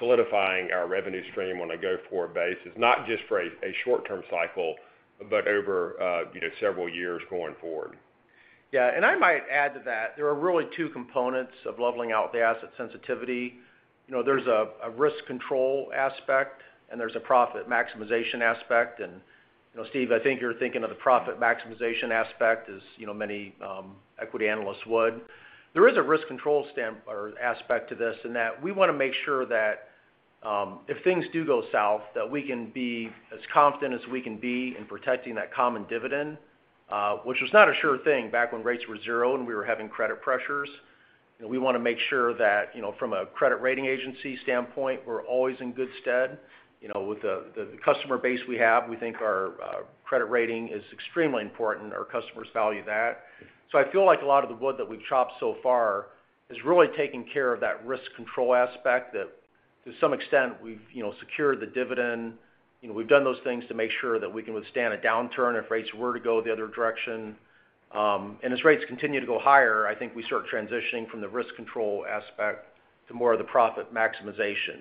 solidifying our revenue stream on a go-forward basis, not just for a short-term cycle but over, you know, several years going forward. Yeah. I might add to that. There are really two components of leveling out the asset sensitivity. You know, there's a risk control aspect, and there's a profit maximization aspect. You know, Steve, I think you're thinking of the profit maximization aspect as you know, many equity analysts would. There is a risk control standpoint to this in that we want to make sure that if things do go south, that we can be as confident as we can be in protecting that common dividend, which was not a sure thing back when rates were zero and we were having credit pressures. You know, we want to make sure that you know, from a credit rating agency standpoint, we're always in good stead. You know, with the customer base we have, we think our credit rating is extremely important. Our customers value that. I feel like a lot of the wood that we've chopped so far is really taking care of that risk control aspect that to some extent we've, you know, secured the dividend. You know, we've done those things to make sure that we can withstand a downturn if rates were to go the other direction. As rates continue to go higher, I think we start transitioning from the risk control aspect to more of the profit maximization.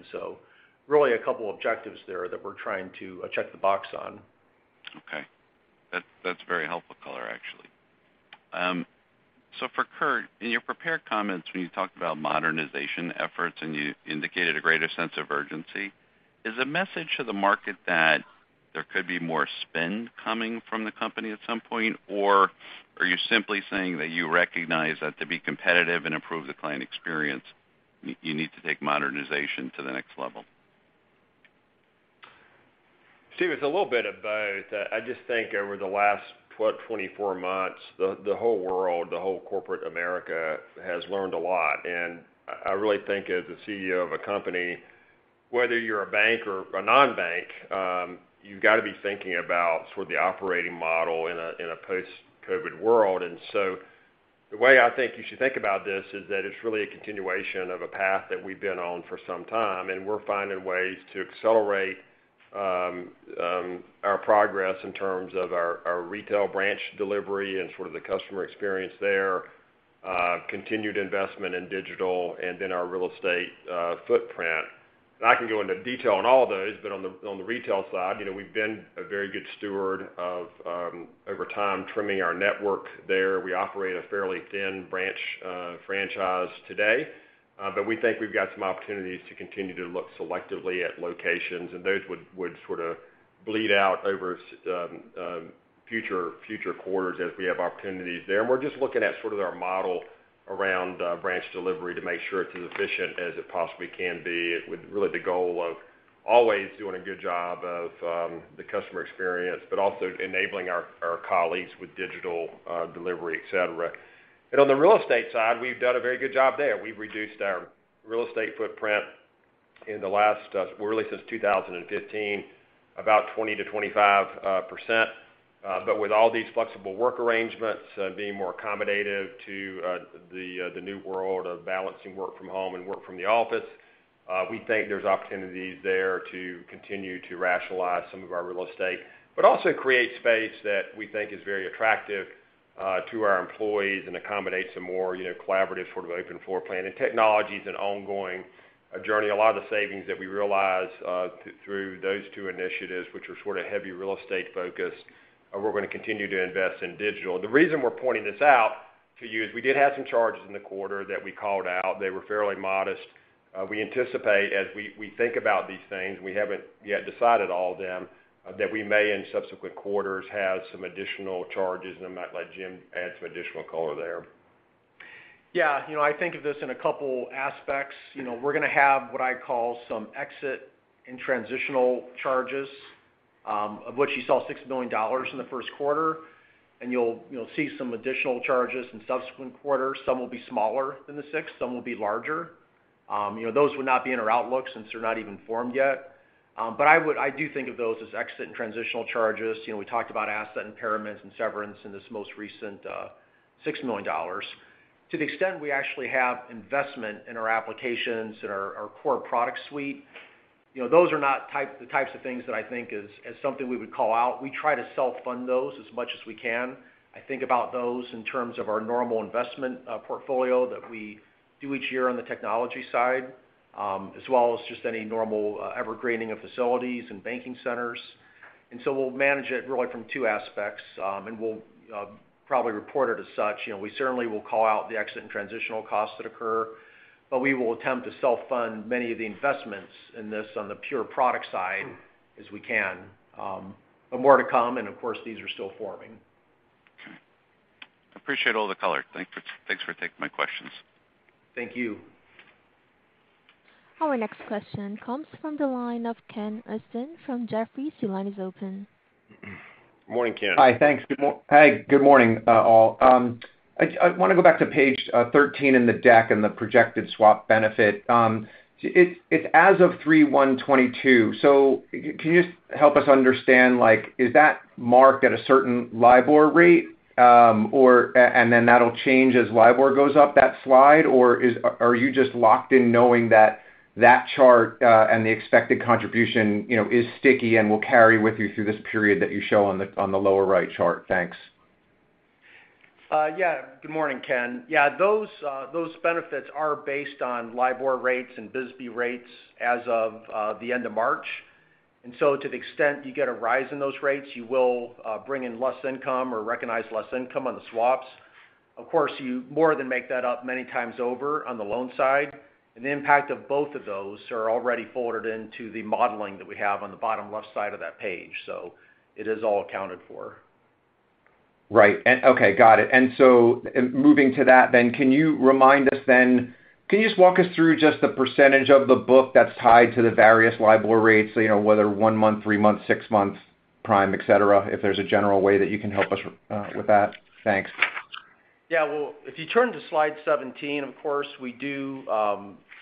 Really a couple objectives there that we're trying to check the box on. Okay. That's very helpful color, actually. For Curt, in your prepared comments when you talked about modernization efforts and you indicated a greater sense of urgency, is the message to the market that there could be more spend coming from the company at some point? Or are you simply saying that you recognize that to be competitive and improve the client experience, you need to take modernization to the next level? Steve, it's a little bit of both. I just think over the last, what, 24 months, the whole world, the whole corporate America has learned a lot. I really think as a CEO of a company, whether you're a bank or a non-bank, you've got to be thinking about sort of the operating model in a post-COVID world. The way I think you should think about this is that it's really a continuation of a path that we've been on for some time, and we're finding ways to accelerate our progress in terms of our retail branch delivery and sort of the customer experience there, continued investment in digital and in our real estate footprint. I can go into detail on all those, but on the retail side, you know, we've been a very good steward of over time trimming our network there. We operate a fairly thin branch franchise today. But we think we've got some opportunities to continue to look selectively at locations, and those would sort of bleed out over future quarters as we have opportunities there. We're just looking at sort of our model around branch delivery to make sure it's as efficient as it possibly can be. With really the goal of always doing a good job of the customer experience, but also enabling our colleagues with digital delivery, et cetera. On the real estate side, we've done a very good job there. We've reduced our real estate footprint in the last, really since 2015, about 20%-25%. But with all these flexible work arrangements, being more accommodative to the new world of balancing work from home and work from the office, we think there's opportunities there to continue to rationalize some of our real estate, but also create space that we think is very attractive to our employees and accommodate some more, you know, collaborative sort of open floor plan. Technology is an ongoing journey. A lot of the savings that we realize through those two initiatives, which are sort of heavy real estate-focused, we're going to continue to invest in digital. The reason we're pointing this out to you is we did have some charges in the quarter that we called out. They were fairly modest. We anticipate as we think about these things, we haven't yet decided all of them, that we may in subsequent quarters have some additional charges. I might let Jim Herzog add some additional color there. Yeah. You know, I think of this in a couple aspects. You know, we're going to have what I call some exit and transitional charges, of which you saw $6 million in the Q1. You'll see some additional charges in subsequent quarters. Some will be smaller than the six, some will be larger. You know, those would not be in our outlook since they're not even formed yet. But I do think of those as exit and transitional charges. You know, we talked about asset impairments and severance in this most recent $6 million. To the extent we actually have investment in our applications, in our core product suite. You know, those are not the types of things that I think is something we would call out. We try to self-fund those as much as we can. I think about those in terms of our normal investment portfolio that we do each year on the technology side, as well as just any normal evergreening of facilities and banking centers. We'll manage it really from two aspects, and we'll probably report it as such. You know, we certainly will call out the exit and transitional costs that occur, but we will attempt to self-fund many of the investments in this on the pure product side as we can. More to come, and of course, these are still forming. Okay. Appreciate all the color. Thanks for taking my questions. Thank you. Our next question comes from the line of Ken Usdin from Jefferies. Your line is open. Morning, Ken. Hi. Thanks. Good morning, all. I want to go back to page 13 in the deck and the projected swap benefit. It's as of 3/1/2022. Can you just help us understand, like, is that marked at a certain LIBOR rate, or, and then that'll change as LIBOR goes up that slide? Or are you just locked in knowing that that chart and the expected contribution, you know, is sticky and will carry with you through this period that you show on the lower right chart? Thanks. Yeah. Good morning, Ken. Yeah, those benefits are based on LIBOR rates and BSBY rates as of the end of March. To the extent you get a rise in those rates, you will bring in less income or recognize less income on the swaps. Of course, you more than make that up many times over on the loan side, and the impact of both of those are already forwarded into the modeling that we have on the bottom left side of that page. It is all accounted for. Right. Okay, got it. Moving to that then, can you just walk us through just the percentage of the book that's tied to the various LIBOR rates, you know, whether one month, three months, six months, prime, et cetera, if there's a general way that you can help us with that? Thanks. Yeah. Well, if you turn to slide 17, of course, we do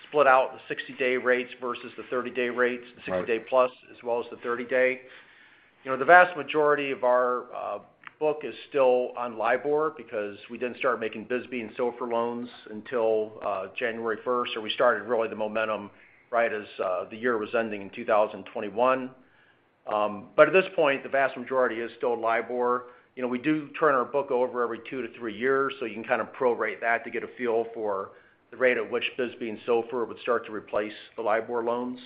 split out the 60-day rates versus the 30-day rates. Right. The 60-day plus as well as the 30-day. You know, the vast majority of our book is still on LIBOR because we didn't start making BSBY and SOFR loans until January 1, or we started really the momentum right as the year was ending in 2021. At this point, the vast majority is still LIBOR. You know, we do turn our book over every two to three years, so you can kind of prorate that to get a feel for the rate at which BSBY and SOFR would start to replace the LIBOR loans.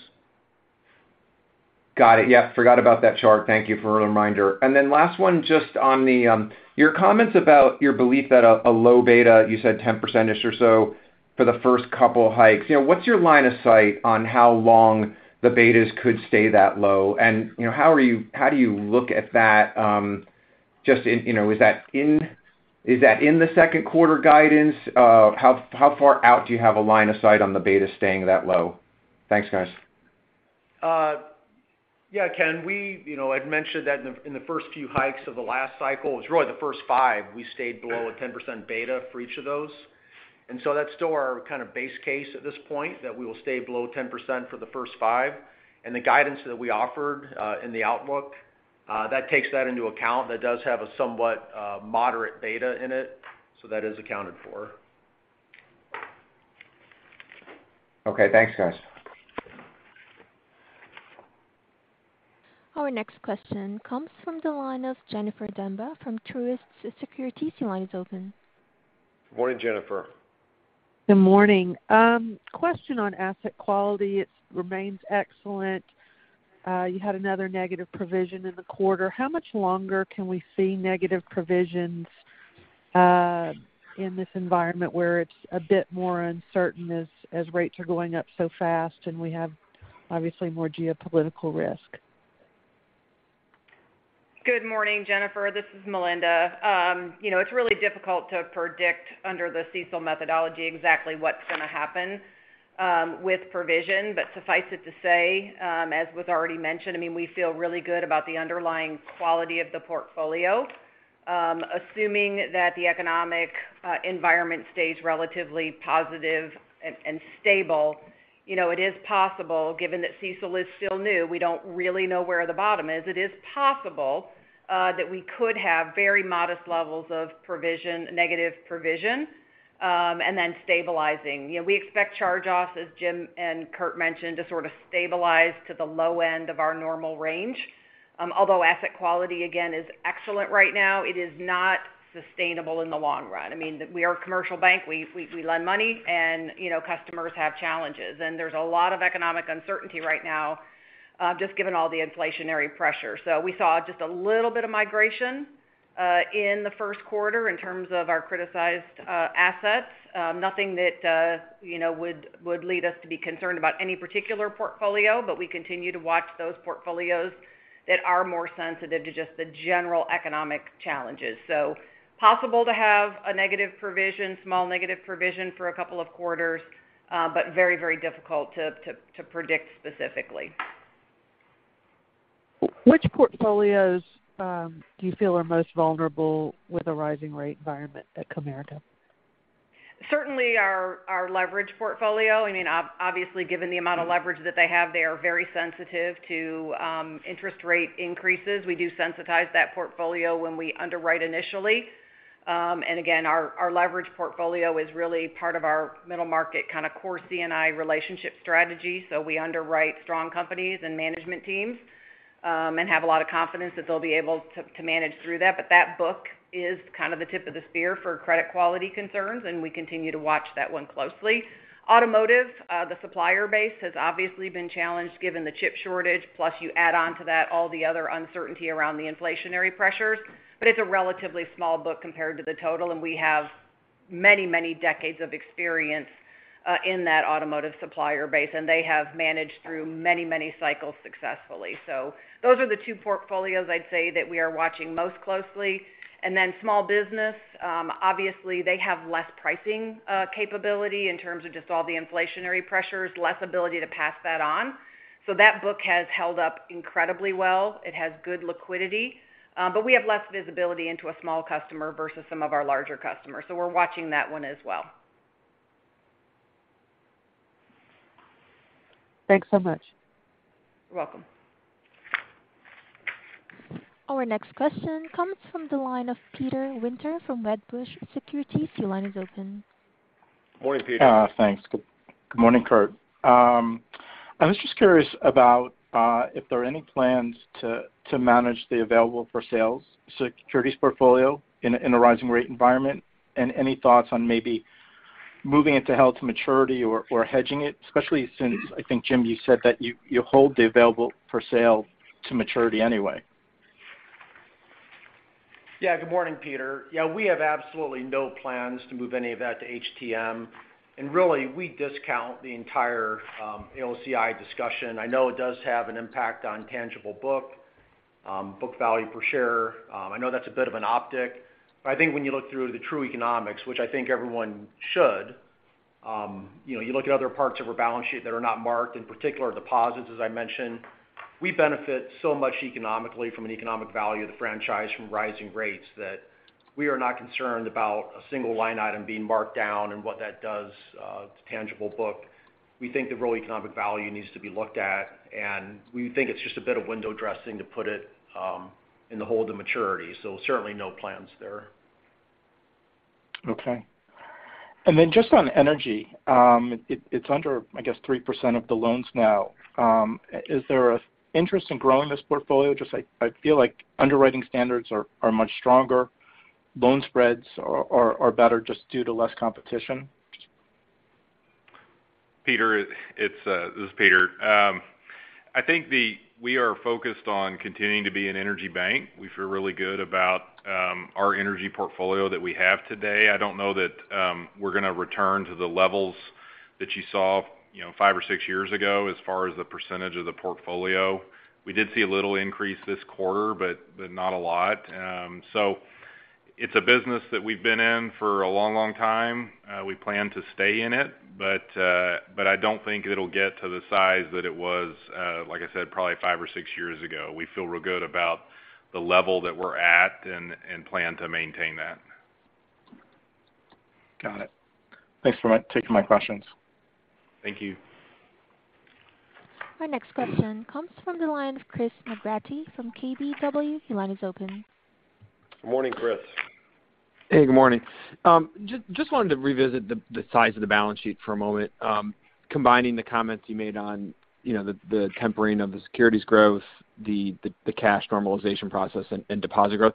Got it. Yeah, forgot about that chart. Thank you for a reminder. Last one just on your comments about your belief that a low beta, you said 10% or so for the first couple hikes. You know, what's your line of sight on how long the betas could stay that low? You know, how do you look at that just in, you know, is that in the Q2 guidance? How far out do you have a line of sight on the beta staying that low? Thanks, guys. Yeah, Ken, you know, I'd mentioned that in the first few hikes of the last cycle. It was really the first five. We stayed below a 10% beta for each of those. That's still our kind of base case at this point, that we will stay below 10% for the first five. The guidance that we offered in the outlook, that takes that into account. That does have a somewhat moderate beta in it, so that is accounted for. Okay, thanks, guys. Our next question comes from the line of Jennifer Demba from Truist Securities. Your line is open. Morning, Jennifer. Good morning. Question on asset quality. It remains excellent. You had another negative provision in the quarter. How much longer can we see negative provisions in this environment where it's a bit more uncertain as rates are going up so fast and we have obviously more geopolitical risk? Good morning, Jennifer. This is Melinda. You know, it's really difficult to predict under the CECL methodology exactly what's going to happen with provision. Suffice it to say, as was already mentioned, I mean, we feel really good about the underlying quality of the portfolio. Assuming that the economic environment stays relatively positive and stable, you know, it is possible, given that CECL is still new, we don't really know where the bottom is. It is possible that we could have very modest levels of provision, negative provision, and then stabilizing. You know, we expect charge-offs, as Jim and Curt mentioned, to sort of stabilize to the low end of our normal range. Although asset quality, again, is excellent right now, it is not sustainable in the long run. I mean, we are a commercial bank. We lend money and, you know, customers have challenges. There's a lot of economic uncertainty right now, just given all the inflationary pressure. We saw just a little bit of migration in the Q1 in terms of our criticized assets. Nothing that, you know, would lead us to be concerned about any particular portfolio, but we continue to watch those portfolios that are more sensitive to just the general economic challenges. Possible to have a negative provision, small negative provision for a couple of quarters, but very difficult to predict specifically. Which portfolios, do you feel are most vulnerable with a rising rate environment at Comerica? Certainly our leverage portfolio. I mean obviously, given the amount of leverage that they have, they are very sensitive to interest rate increases. We do sensitize that portfolio when we underwrite initially. Again, our leverage portfolio is really part of our middle market kind of core C&I relationship strategy. We underwrite strong companies and management teams, and have a lot of confidence that they'll be able to manage through that. That book is kind of the tip of the spear for credit quality concerns, and we continue to watch that one closely. Automotive, the supplier base has obviously been challenged given the chip shortage, plus you add on to that all the other uncertainty around the inflationary pressures. It's a relatively small book compared to the total, and we have many, many decades of experience in that automotive supplier base, and they have managed through many, many cycles successfully. Those are the two portfolios I'd say that we are watching most closely. Small business, obviously they have less pricing capability in terms of just all the inflationary pressures, less ability to pass that on. That book has held up incredibly well. It has good liquidity, but we have less visibility into a small customer versus some of our larger customers, so we're watching that one as well. Thanks so much. You're welcome. Our next question comes from the line of Peter Winter from Wedbush Securities. Your line is open. Morning, Peter. Thanks. Good morning, Curt Farmer. I was just curious about if there are any plans to manage the available for sale securities portfolio in a rising rate environment, and any thoughts on maybe moving it to HTM or hedging it, especially since I think, Jim Herzog, you said that you hold the available for sale to HTM anyway. Yeah. Good morning, Peter. Yeah. We have absolutely no plans to move any of that to HTM. Really, we discount the entire AOCI discussion. I know it does have an impact on tangible book value per share. I know that's a bit of an optic. I think when you look through the true economics, which I think everyone should, you know, you look at other parts of our balance sheet that are not marked, in particular deposits, as I mentioned. We benefit so much economically from an economic value of the franchise from rising rates that we are not concerned about a single line item being marked down and what that does to tangible book. We think the real economic value needs to be looked at, and we think it's just a bit of window dressing to put it in the hold to maturity, so certainly no plans there. Okay. Just on energy, it's under, I guess, 3% of the loans now. Is there an interest in growing this portfolio? I feel like underwriting standards are much stronger. Loan spreads are better just due to less competition. Peter, it's this is Peter. I think we are focused on continuing to be an energy bank. We feel really good about our energy portfolio that we have today. I don't know that we're going to return to the levels that you saw, you know, five or six years ago as far as the percentage of the portfolio. We did see a little increase this quarter, but not a lot. It's a business that we've been in for a long, long time. We plan to stay in it, but I don't think it'll get to the size that it was, like I said, probably five or six years ago. We feel real good about the level that we're at and plan to maintain that. Got it. Thanks for taking my questions. Thank you. Our next question comes from the line of Chris McGratty from KBW. Your line is open. Morning, Chris. Hey, good morning. Just wanted to revisit the size of the balance sheet for a moment. Combining the comments you made on, you know, the tempering of the securities growth, the cash normalization process and deposit growth.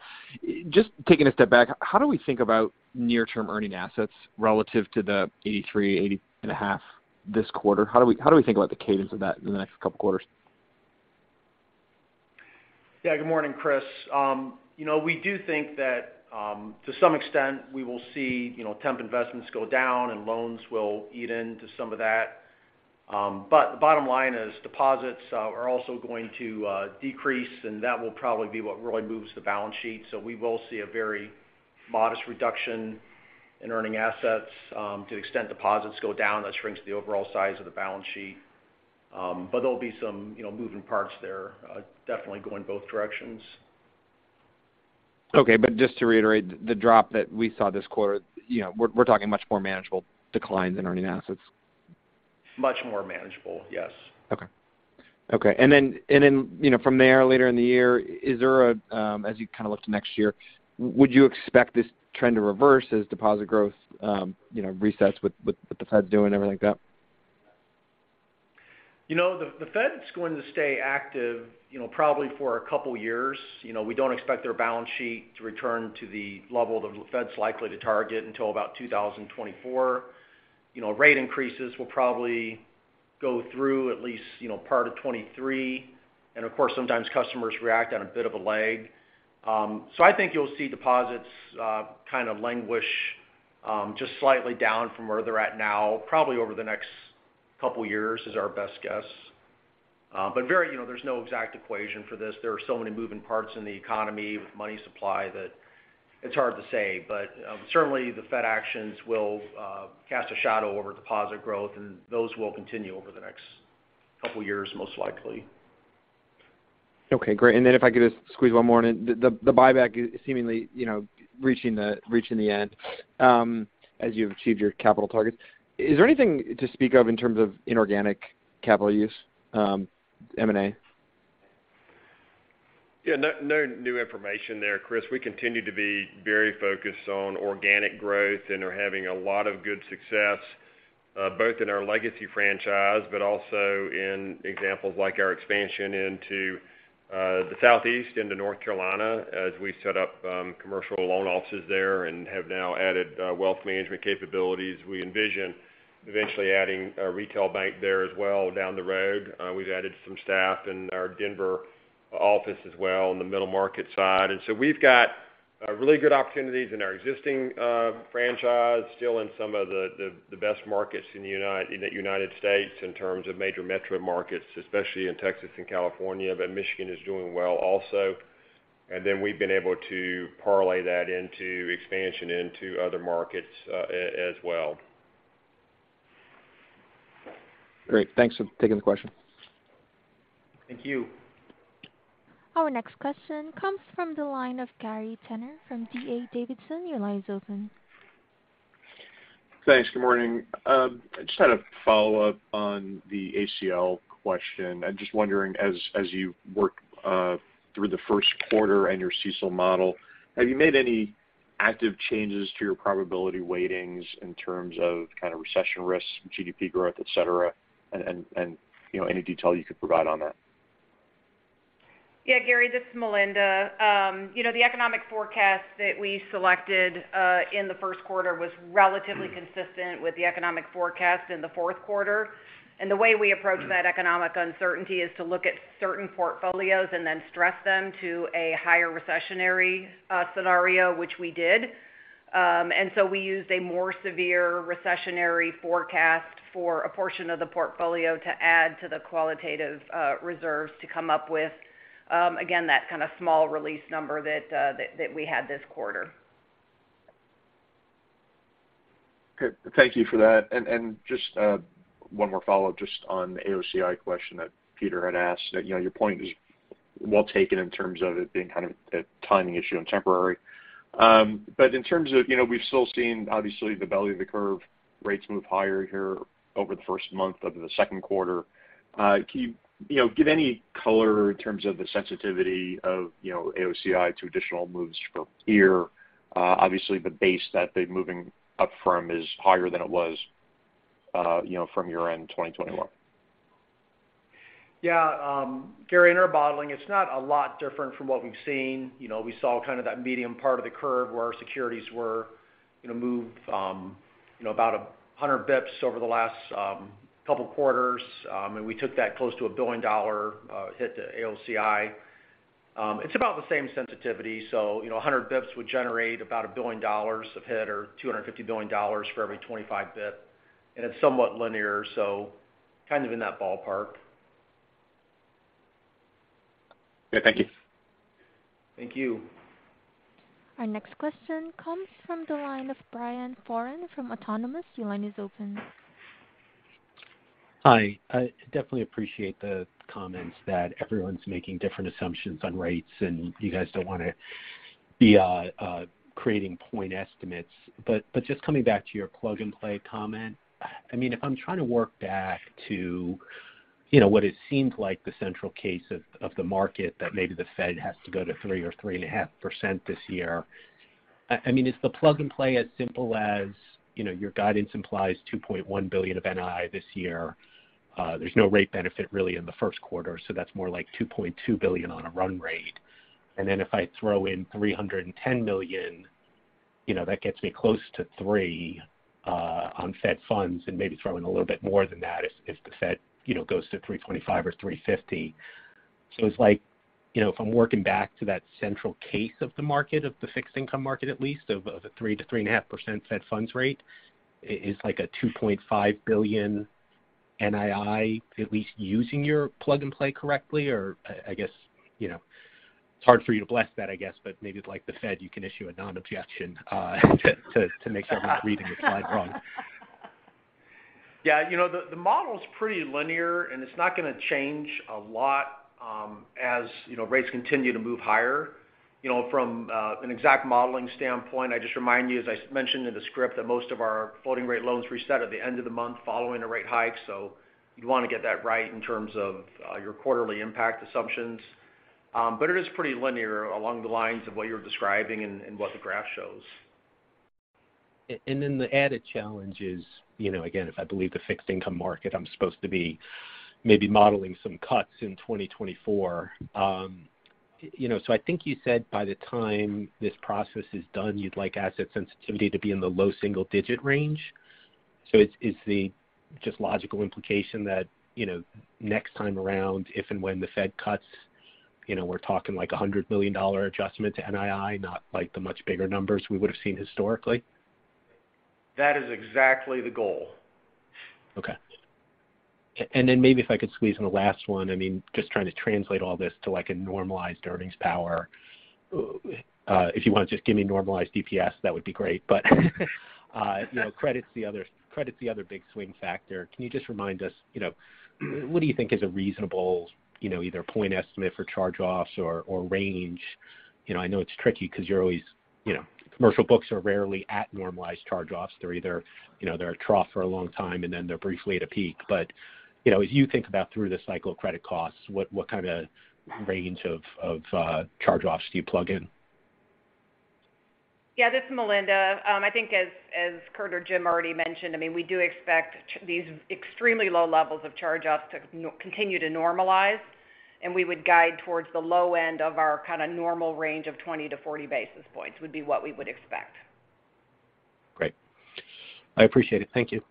Just taking a step back, how do we think about near-term earning assets relative to the $83 billion, $80.5 billion this quarter? How do we think about the cadence of that in the next couple quarters? Yeah. Good morning, Chris. You know, we do think that, to some extent, we will see, you know, temp investments go down and loans will eat into some of that. The bottom line is deposits are also going to decrease, and that will probably be what really moves the balance sheet. We will see a very modest reduction in earning assets. To the extent deposits go down, that shrinks the overall size of the balance sheet. There'll be some, you know, moving parts there, definitely going both directions. Okay, just to reiterate, the drop that we saw this quarter, you know, we're talking much more manageable declines in earning assets. Much more manageable, yes. From there, later in the year, as you kind of look to next year, would you expect this trend to reverse as deposit growth, you know, resets with the Fed doing everything like that? You know, the Fed's going to stay active, you know, probably for a couple years. You know, we don't expect their balance sheet to return to the level the Fed's likely to target until about 2024. You know, rate increases will probably go through at least, you know, part of 2023. Of course, sometimes customers react on a bit of a lag. I think you'll see deposits kind of languish just slightly down from where they're at now, probably over the next couple years is our best guess. Very, you know, there's no exact equation for this. There are so many moving parts in the economy with money supply that it's hard to say. Certainly the Fed actions will cast a shadow over deposit growth, and those will continue over the next couple years, most likely. Okay, great. Then if I could just squeeze one more in. The buyback is seemingly, you know, reaching the end, as you've achieved your capital targets. Is there anything to speak of in terms of inorganic capital use, M&A? Yeah. No new information there, Chris. We continue to be very focused on organic growth and are having a lot of good success both in our legacy franchise, but also in examples like our expansion into the Southeast into North Carolina as we set up commercial loan offices there and have now added Wealth Management capabilities. We envision eventually adding a Retail Bank there as well down the road. We've added some staff in our Denver office as well on the middle market side. We've got really good opportunities in our existing franchise, still in some of the best markets in the United States in terms of major metro markets, especially in Texas and California, but Michigan is doing well also. We've been able to parlay that into expansion into other markets, as well. Great. Thanks for taking the question. Thank you. Our next question comes from the line of Gary Tenner from D.A. Davidson. Your line is open. Thanks. Good morning. I just had a follow-up on the ACL question. I'm just wondering, as you work through the Q1 and your CECL model, have you made any active changes to your probability weightings in terms of kind of recession risks, GDP growth, et cetera? You know, any detail you could provide on that. Yeah, Gary, this is Melinda. You know, the economic forecast that we selected in the Q1 was relatively consistent with the economic forecast in the Q4. The way we approach that economic uncertainty is to look at certain portfolios and then stress them to a higher recessionary scenario, which we did. We used a more severe recessionary forecast for a portion of the portfolio to add to the qualitative reserves to come up with again that kind of small release number that we had this quarter. Good. Thank you for that. Just one more follow-up just on the AOCI question that Peter had asked. You know, your point is well taken in terms of it being kind of a timing issue and temporary. But in terms of, you know, we've still seen obviously the belly of the curve rates move higher here over the first month of the Q2. Can you know, give any color in terms of the sensitivity of, you know, AOCI to additional moves from here? Obviously, the base that they're moving up from is higher than it was, you know, from year-end 2021. Yeah. Gary, in our modeling, it's not a lot different from what we've seen. You know, we saw kind of that medium part of the curve where our securities were, you know, moved about 100 bps over the last couple quarters. We took that close to $1 billion hit to AOCI. It's about the same sensitivity. You know, 100 bps would generate about $1 billion hit or $250 million for every 25 bp. It's somewhat linear, so kind of in that ballpark. Yeah. Thank you. Thank you. Our next question comes from the line of Brian Foran from Autonomous. Your line is open. Hi. I definitely appreciate the comments that everyone's making different assumptions on rates, and you guys don't want to be creating point estimates. Just coming back to your plug and play comment. I mean, if I'm trying to work back to, you know, what it seems like the central case of the market that maybe the Fed has to go to 3% or 3.5% this year. I mean, is the plug and play as simple as, you know, your guidance implies $2.1 billion of NII this year? There's no rate benefit really in theQ1, so that's more like $2.2 billion on a run rate. Then if I throw in $310 million, you know, that gets me close to 3% on Fed funds and maybe throw in a little bit more than that if the Fed, you know, goes to 3.25% or 3.50%. It's like, you know, if I'm working back to that central case of the market, of the fixed income market, at least of a 3%-3.5% Fed funds rate is like a $2.5 billion NII at least using your plug and play correctly, or I guess, you know. It's hard for you to bless that, I guess, but maybe like the Fed, you can issue a non-objection to make sure I'm reading the slide wrong. Yeah. You know, the model's pretty linear, and it's not going to change a lot, as you know, rates continue to move higher. You know, from an exact modeling standpoint, I just remind you, as I mentioned in the script, that most of our floating rate loans reset at the end of the month following a rate hike. So, you'd want to get that right in terms of your quarterly impact assumptions. But it is pretty linear along the lines of what you're describing and what the graph shows. Then the added challenge is, you know, again, if I believe the fixed income market, I'm supposed to be maybe modeling some cuts in 2024. You know, so I think you said by the time this process is done, you'd like asset sensitivity to be in the low single digit range. Is the just logical implication that, you know, next time around, if and when the Fed cuts, you know, we're talking like a $100 million adjustment to NII, not like the much bigger numbers we would've seen historically? That is exactly the goal. Okay. Maybe if I could squeeze in the last one. I mean, just trying to translate all this to like a normalized earnings power. If you want to just give me normalized DPS, that would be great. You know, credit's the other big swing factor. Can you just remind us, you know, what do you think is a reasonable, you know, either point estimate for charge-offs or range? You know, I know it's tricky because you're always, you know, commercial books are rarely at normalized charge-offs. They're either, you know, they're a trough for a long time, and then they're briefly at a peak. You know, as you think about through the cycle of credit costs, what kind of range of charge-offs do you plug in? Yeah, this is Melinda. I think as Curt or Jim already mentioned, I mean, we do expect these extremely low levels of charge-offs to continue to normalize, and we would guide towards the low end of our kind of normal range of 20-40 basis points would be what we would expect. Great. I appreciate it. Thank you.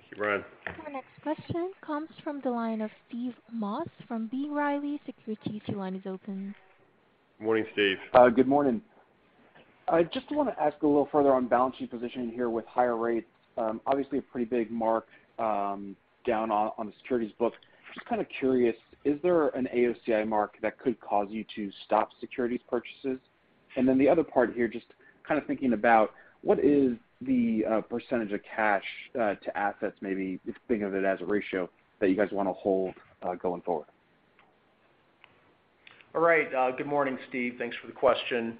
Thank you, Brian. Our next question comes from the line of Steve Moss from B. Riley Securities. Your line is open. Morning, Steve. Good morning. I just want to ask a little further on balance sheet positioning here with higher rates. Obviously a pretty big mark down on the securities book. Just kind of curious, is there an AOCI mark that could cause you to stop securities purchases? The other part here, just kind of thinking about what is the percentage of cash to assets, maybe if you think of it as a ratio that you guys want to hold going forward. All right. Good morning, Steve. Thanks for the question.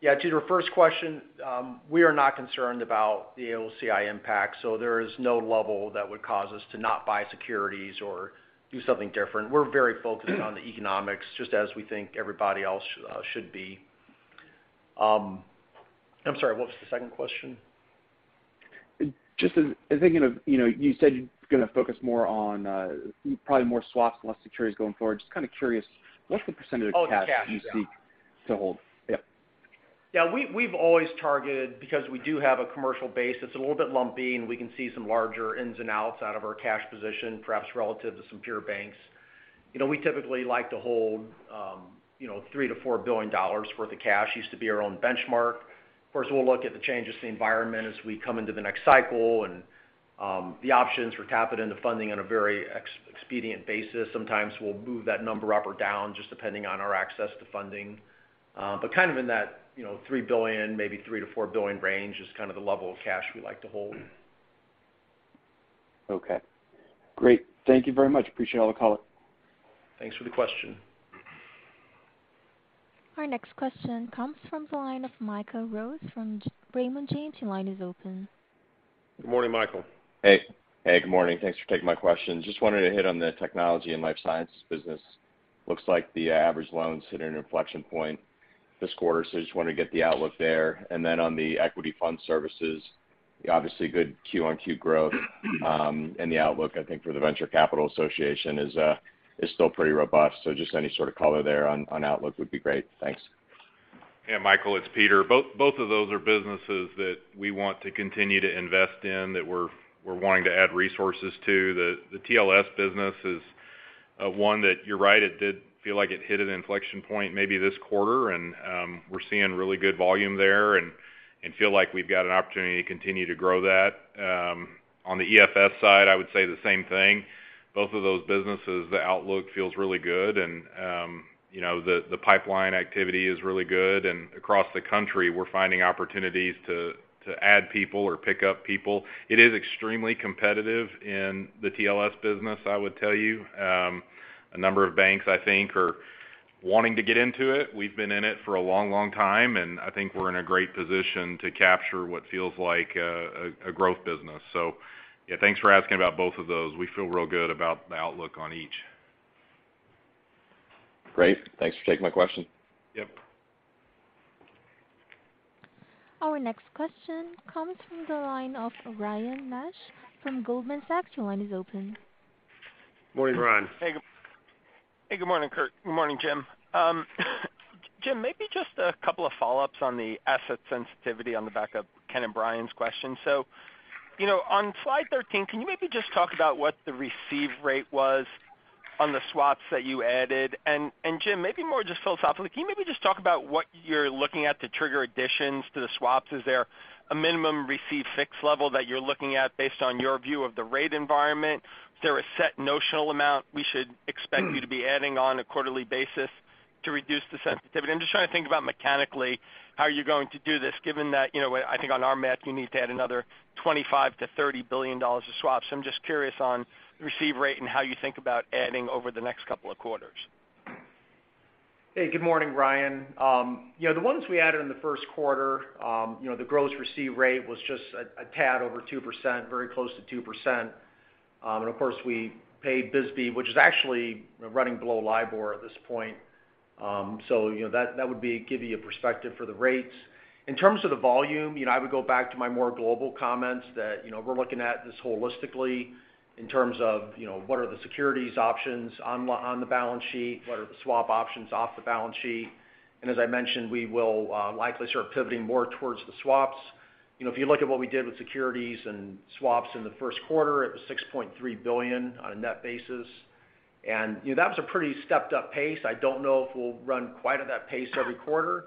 Yeah, to your first question, we are not concerned about the AOCI impact, so there is no level that would cause us to not buy securities or do something different. We're very focused on the economics just as we think everybody else should be. I'm sorry, what was the second question? Just as thinking of, you know, you said you're going to focus more on probably more swaps and less securities going forward. Just kind of curious, what's the percentage of cash- Oh, the cash. You seek to hold? Yeah. Yeah. We've always targeted because we do have a commercial base that's a little bit lumpy, and we can see some larger ins and outs out of our cash position, perhaps relative to some pure banks. You know, we typically like to hold, you know, $3-$4 billion worth of cash. Used to be our own benchmark. Of course, we'll look at the changes to the environment as we come into the next cycle and, the options for tapping into funding on a very expedient basis. Sometimes we'll move that number up or down just depending on our access to funding. But kind of in that, you know, $3 billion, maybe $3-$4 billion range is kind of the level of cash we like to hold. Okay. Great. Thank you very much. Appreciate all the color. Thanks for the question. Our next question comes from the line of Michael Rose from Raymond James. Your line is open. Good morning, Michael. Hey. Hey, good morning. Thanks for taking my questions. Just wanted to hit on the technology and life sciences business. Looks like the average loans hit an inflection point this quarter, so I just wanted to get the outlook there. On the equity fund services, obviously good Q-on-Q growth, and the outlook, I think, for the National Venture Capital Association is still pretty robust. Just any sort of color there on outlook would be great. Thanks. Yeah, Michael, it's Peter. Both of those are businesses that we want to continue to invest in, that we're wanting to add resources to. The TLS business is one that you're right, it did feel like it hit an inflection point maybe this quarter, and we're seeing really good volume there and feel like we've got an opportunity to continue to grow that. On the EFS side, I would say the same thing. Both of those businesses, the outlook feels really good and you know the pipeline activity is really good. Across the country, we're finding opportunities to add people or pick up people. It is extremely competitive in the TLS business, I would tell you. A number of banks, I think, are wanting to get into it. We've been in it for a long, long time, and I think we're in a great position to capture what feels like a growth business. Yeah, thanks for asking about both of those. We feel real good about the outlook on each. Great. Thanks for taking my question. Yep. Our next question comes from the line of Ryan Nash from Goldman Sachs. Your line is open. Morning, Ryan. Hey. Hey, good morning, Curt. Good morning, Jim. Jim, maybe just a couple of follow-ups on the asset sensitivity on the back of Ken and Brian's question. You know, on slide 13, can you maybe just talk about what the receive rate was on the swaps that you added? Jim, maybe more just philosophically, can you maybe just talk about what you're looking at to trigger additions to the swaps? Is there a minimum receive fix level that you're looking at based on your view of the rate environment? Is there a set notional amount we should expect you to be adding on a quarterly basis to reduce the sensitivity? I'm just trying to think about mechanically how you're going to do this, given that, you know, I think on our math, you need to add another $25 billion-$30 billion of swaps. I'm just curious on the receive rate and how you think about adding over the next couple of quarters. Hey, good morning, Ryan Nash. You know, the ones we added in the Q1, you know, the gross receive rate was just a tad over 2%, very close to 2%. Of course, we paid BSBY, which is actually running below LIBOR at this point. You know, that would give you a perspective for the rates. In terms of the volume, you know, I would go back to my more global comments that, you know, we're looking at this holistically in terms of, you know, what are the securities options on the balance sheet, what are the swap options off the balance sheet. As I mentioned, we will likely start pivoting more towards the swaps. You know, if you look at what we did with securities and swaps in the Q1, it was $6.3 billion on a net basis. You know, that was a pretty stepped-up pace. I don't know if we'll run quite at that pace every quarter.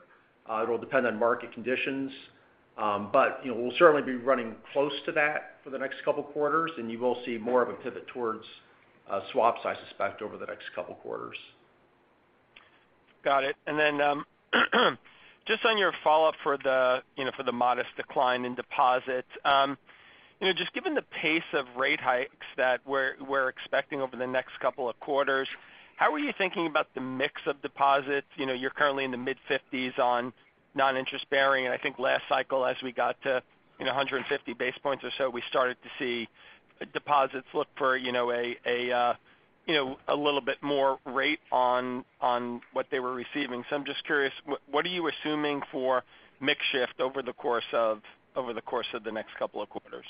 It'll depend on market conditions. You know, we'll certainly be running close to that for the next couple quarters, and you will see more of a pivot towards swaps, I suspect, over the next couple quarters. Got it. Just on your follow-up for the, you know, for the modest decline in deposits. You know, just given the pace of rate hikes that we're expecting over the next couple of quarters, how are you thinking about the mix of deposits? You know, you're currently in the mid-fifties on non-interest bearing, and I think last cycle as we got to, you know, 150 basis points or so we started to see deposits look for, you know, a little bit more rate on what they were receiving. I'm just curious what are you assuming for mix shift over the course of the next couple of quarters?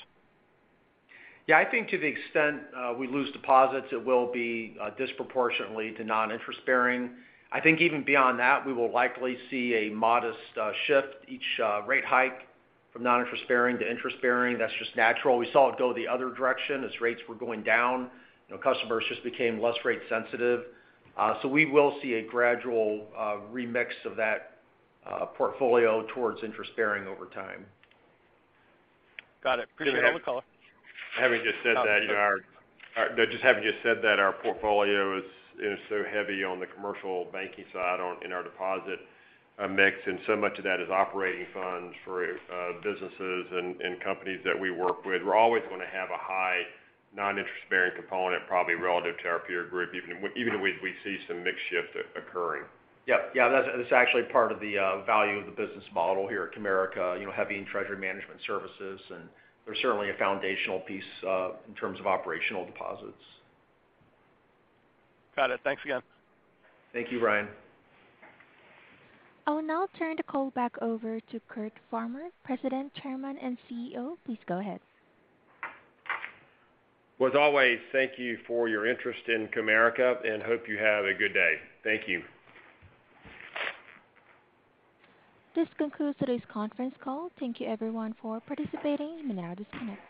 Yeah. I think to the extent we lose deposits, it will be disproportionately to non-interest bearing. I think even beyond that, we will likely see a modest shift each rate hike from non-interest bearing to interest bearing. That's just natural. We saw it go the other direction as rates were going down. You know, customers just became less rate sensitive. We will see a gradual remix of that portfolio towards interest bearing over time. Got it. Appreciate the call. Having just said that, you know, our portfolio is so heavy on the commercial banking side in our deposit mix, and so much of that is operating funds for businesses and companies that we work with, we're always going to have a high non-interest bearing component, probably relative to our peer group even if we see some mix shift occurring. Yep. Yeah. That's actually part of the value of the business model here at Comerica, you know, heavy in treasury management services and they're certainly a foundational piece in terms of operational deposits. Got it. Thanks again. Thank you, Ryan. I will now turn the call back over to Curtis C. Farmer, President, Chairman, and CEO. Please go ahead. As always, thank you for your interest in Comerica, and I hope you have a good day. Thank you. This concludes today's conference call. Thank you everyone for participating. You may now disconnect.